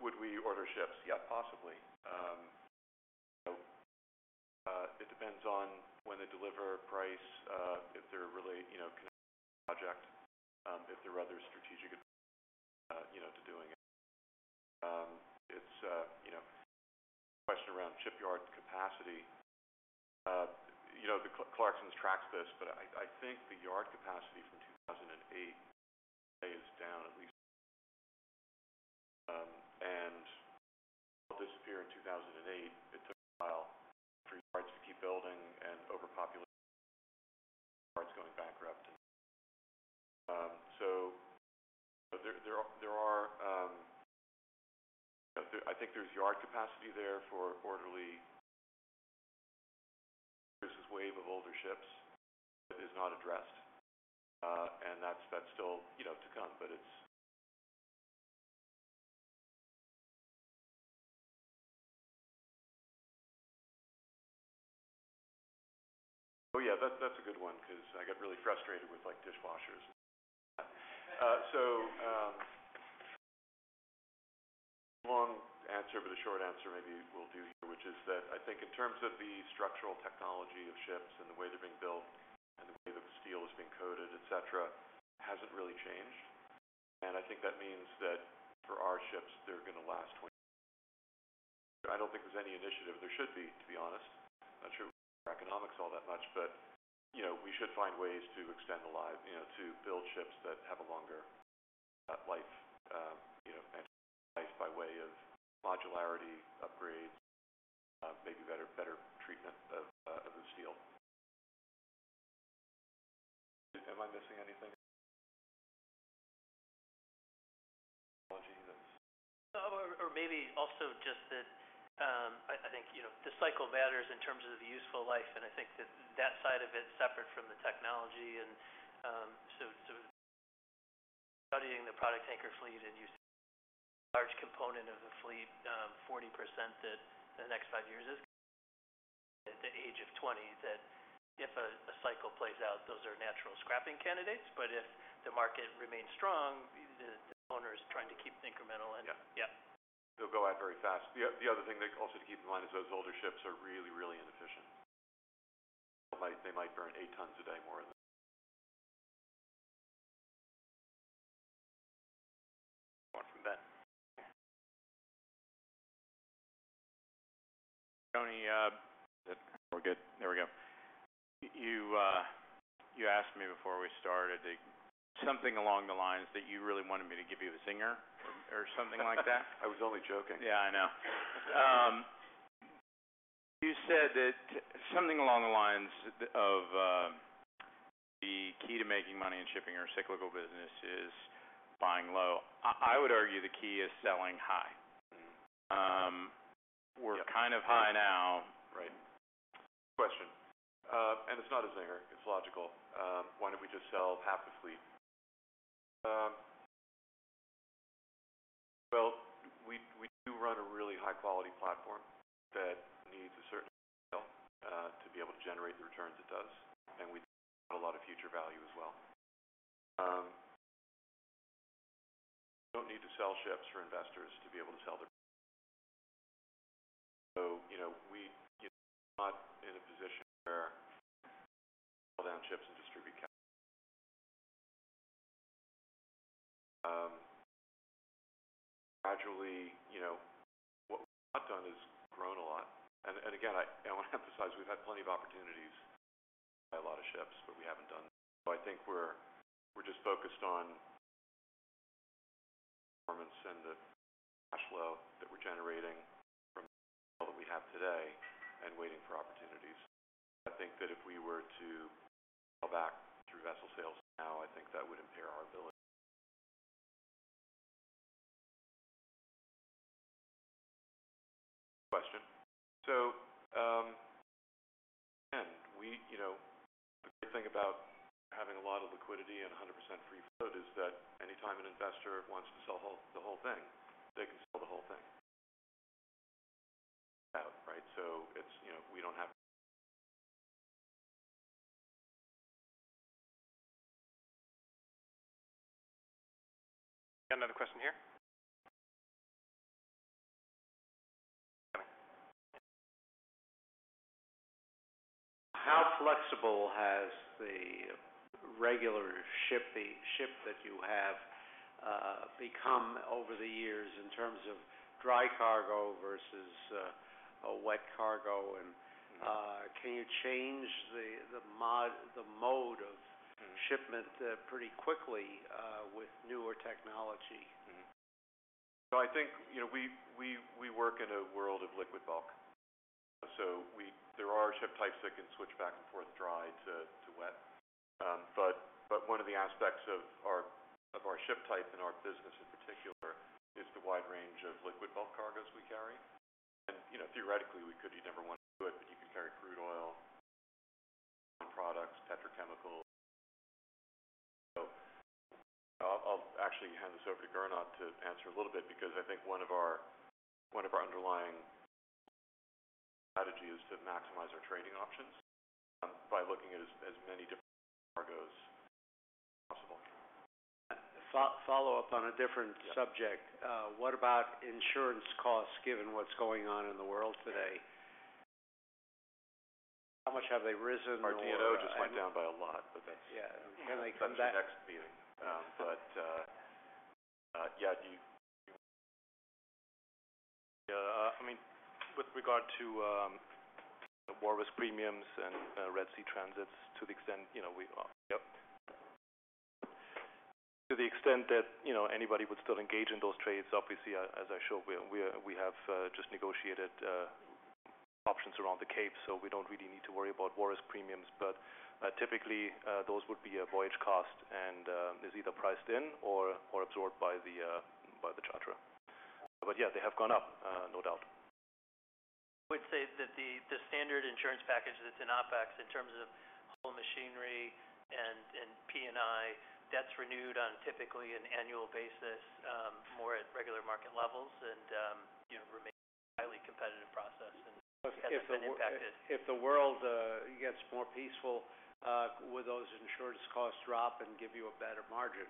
would we order ships? Yeah, possibly. It depends on when they deliver price, if they're really, you know, project, if there are other strategic, you know, to doing it. It's, you know, question around shipyard capacity. You know, the Clarksons tracks this, but I, I think the yard capacity from 2008 is down at least. And disappear in 2008, it took a while for yards to keep building and overpopulate, yards going bankrupt. So there, there are, there are... I think there's yard capacity there for quarterly. There's this wave of older ships that is not addressed, and that's, that's still, you know, to come, but it's. Oh, yeah, that's a good one, 'cause I get really frustrated with, like, dishwashers. So, long answer, but the short answer maybe we'll do here, which is that I think in terms of the structural technology of ships and the way they're being built and the way that the steel is being coated, et cetera, hasn't really changed. And I think that means that for our ships, they're gonna last 20. I don't think there's any initiative. There should be, to be honest. Not sure we care about economics all that much, but, you know, we should find ways to extend the life, you know, to build ships that have a longer life, you know, and life by way of modularity, upgrades, maybe better treatment of the steel. Am I missing anything? Technology that's- No, or, or maybe also just that, I think, you know, the cycle matters in terms of the useful life, and I think that that side of it, separate from the technology and... So studying the product tanker fleet, and you see a large component of the fleet, 40% that the next five years is at the age of 20, that if a cycle plays out, those are natural scrapping candidates. But if the market remains strong, the owner is trying to keep incremental and- Yeah. Yeah. They'll go out very fast. The other thing that also to keep in mind is those older ships are really, really inefficient. They might burn eight tons a day more than... One from Ben. Tony, we're good. There we go. You asked me before we started to something along the lines that you really wanted me to give you the zinger or something like that. I was only joking. Yeah, I know. You said that something along the lines of, the key to making money in shipping or cyclical business is buying low. I would argue the key is selling high. Mm-hmm. We're kind of high now. Right. Good question. And it's not a zinger, it's logical. Why don't we just sell half the fleet? Well, we do run a really high-quality platform that needs a certain scale to be able to generate the returns it does, and we do have a lot of future value as well. We don't need to sell ships for investors to be able to sell their... So, you know, you know, not in a position where sell down ships and distribute cash. Gradually, you know, what we've not done is grown a lot. Again, I want to emphasize, we've had plenty of opportunities to buy a lot of ships, but we haven't done that. So I think we're just focused on performance and the cash flow that we're generating from the model that we have today and waiting for opportunities. I think that if we were to fall back through vessel sales now, I think that would impair our ability. Question. So, again, you know, the great thing about having a lot of liquidity and 100% free float is that anytime an investor wants to sell the whole thing, they can sell the whole thing. Right? So it's, you know, we don't have... Got another question here. How flexible has the regular shipping, ship that you have, become over the years in terms of dry cargo versus a wet cargo? And, Mm-hmm. Can you change the mode of- Mm-hmm. shipment, pretty quickly, with newer technology? So I think, you know, we work in a world of liquid bulk. So we... There are ship types that can switch back and forth, dry to wet. But one of the aspects of our ship type and our business in particular is the wide range of liquid bulk cargos we carry. And, you know, theoretically, we could, you'd never want to do it, but you can carry crude oil products, petrochemical. So I'll actually hand this over to Gernot to answer a little bit, because I think one of our underlying strategies to maximize our trading options by looking at as many different cargos as possible. Follow up on a different subject. Yeah. What about insurance costs, given what's going on in the world today? How much have they risen or- Our D&O just went down by a lot, but that's- Yeah. That's the next meeting. But, yeah, do you- I mean, with regard to war risk premiums and Red Sea transits, to the extent, you know, we yep. To the extent that, you know, anybody would still engage in those trades, obviously, as I showed, we have just negotiated options around the Cape, so we don't really need to worry about war risk premiums. But typically, those would be a voyage cost, and is either priced in or absorbed by the charterer. But yeah, they have gone up, no doubt. I would say that the standard insurance package that's in OpEx in terms of hull and machinery and P&I that's renewed on typically an annual basis, more at regular market levels and, you know, remains a highly competitive process and hasn't been impacted. If the world gets more peaceful, will those insurance costs drop and give you a better margin?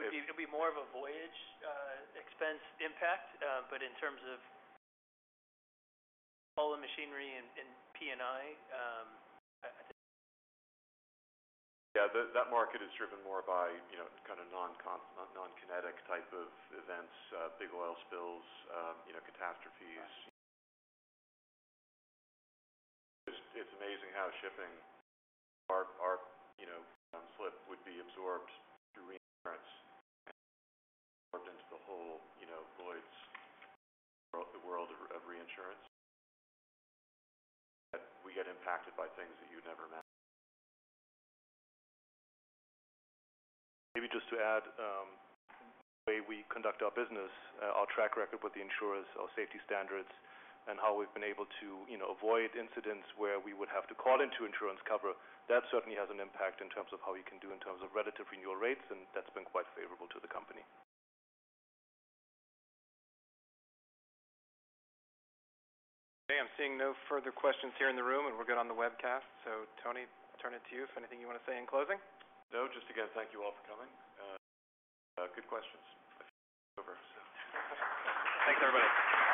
It would be more of a voyage expense impact. But in terms of all the machinery and, and P&I, I think- Yeah, that, that market is driven more by, you know, kind of non-con, non-kinetic type of events, big oil spills, you know, catastrophes. It's amazing how shipping our slip would be absorbed through reinsurance and absorbed into the whole, you know, Lloyd's world, the world of reinsurance. That we get impacted by things that you'd never imagine. Maybe just to add, the way we conduct our business, our track record with the insurers, our safety standards, and how we've been able to, you know, avoid incidents where we would have to call into insurance cover, that certainly has an impact in terms of how you can do in terms of relative renewal rates, and that's been quite favorable to the company. Okay, I'm seeing no further questions here in the room, and we're good on the webcast. So Tony, I turn it to you if anything you want to say in closing? No, just again, thank you all for coming. Good questions. I think we're over, so thanks, everybody.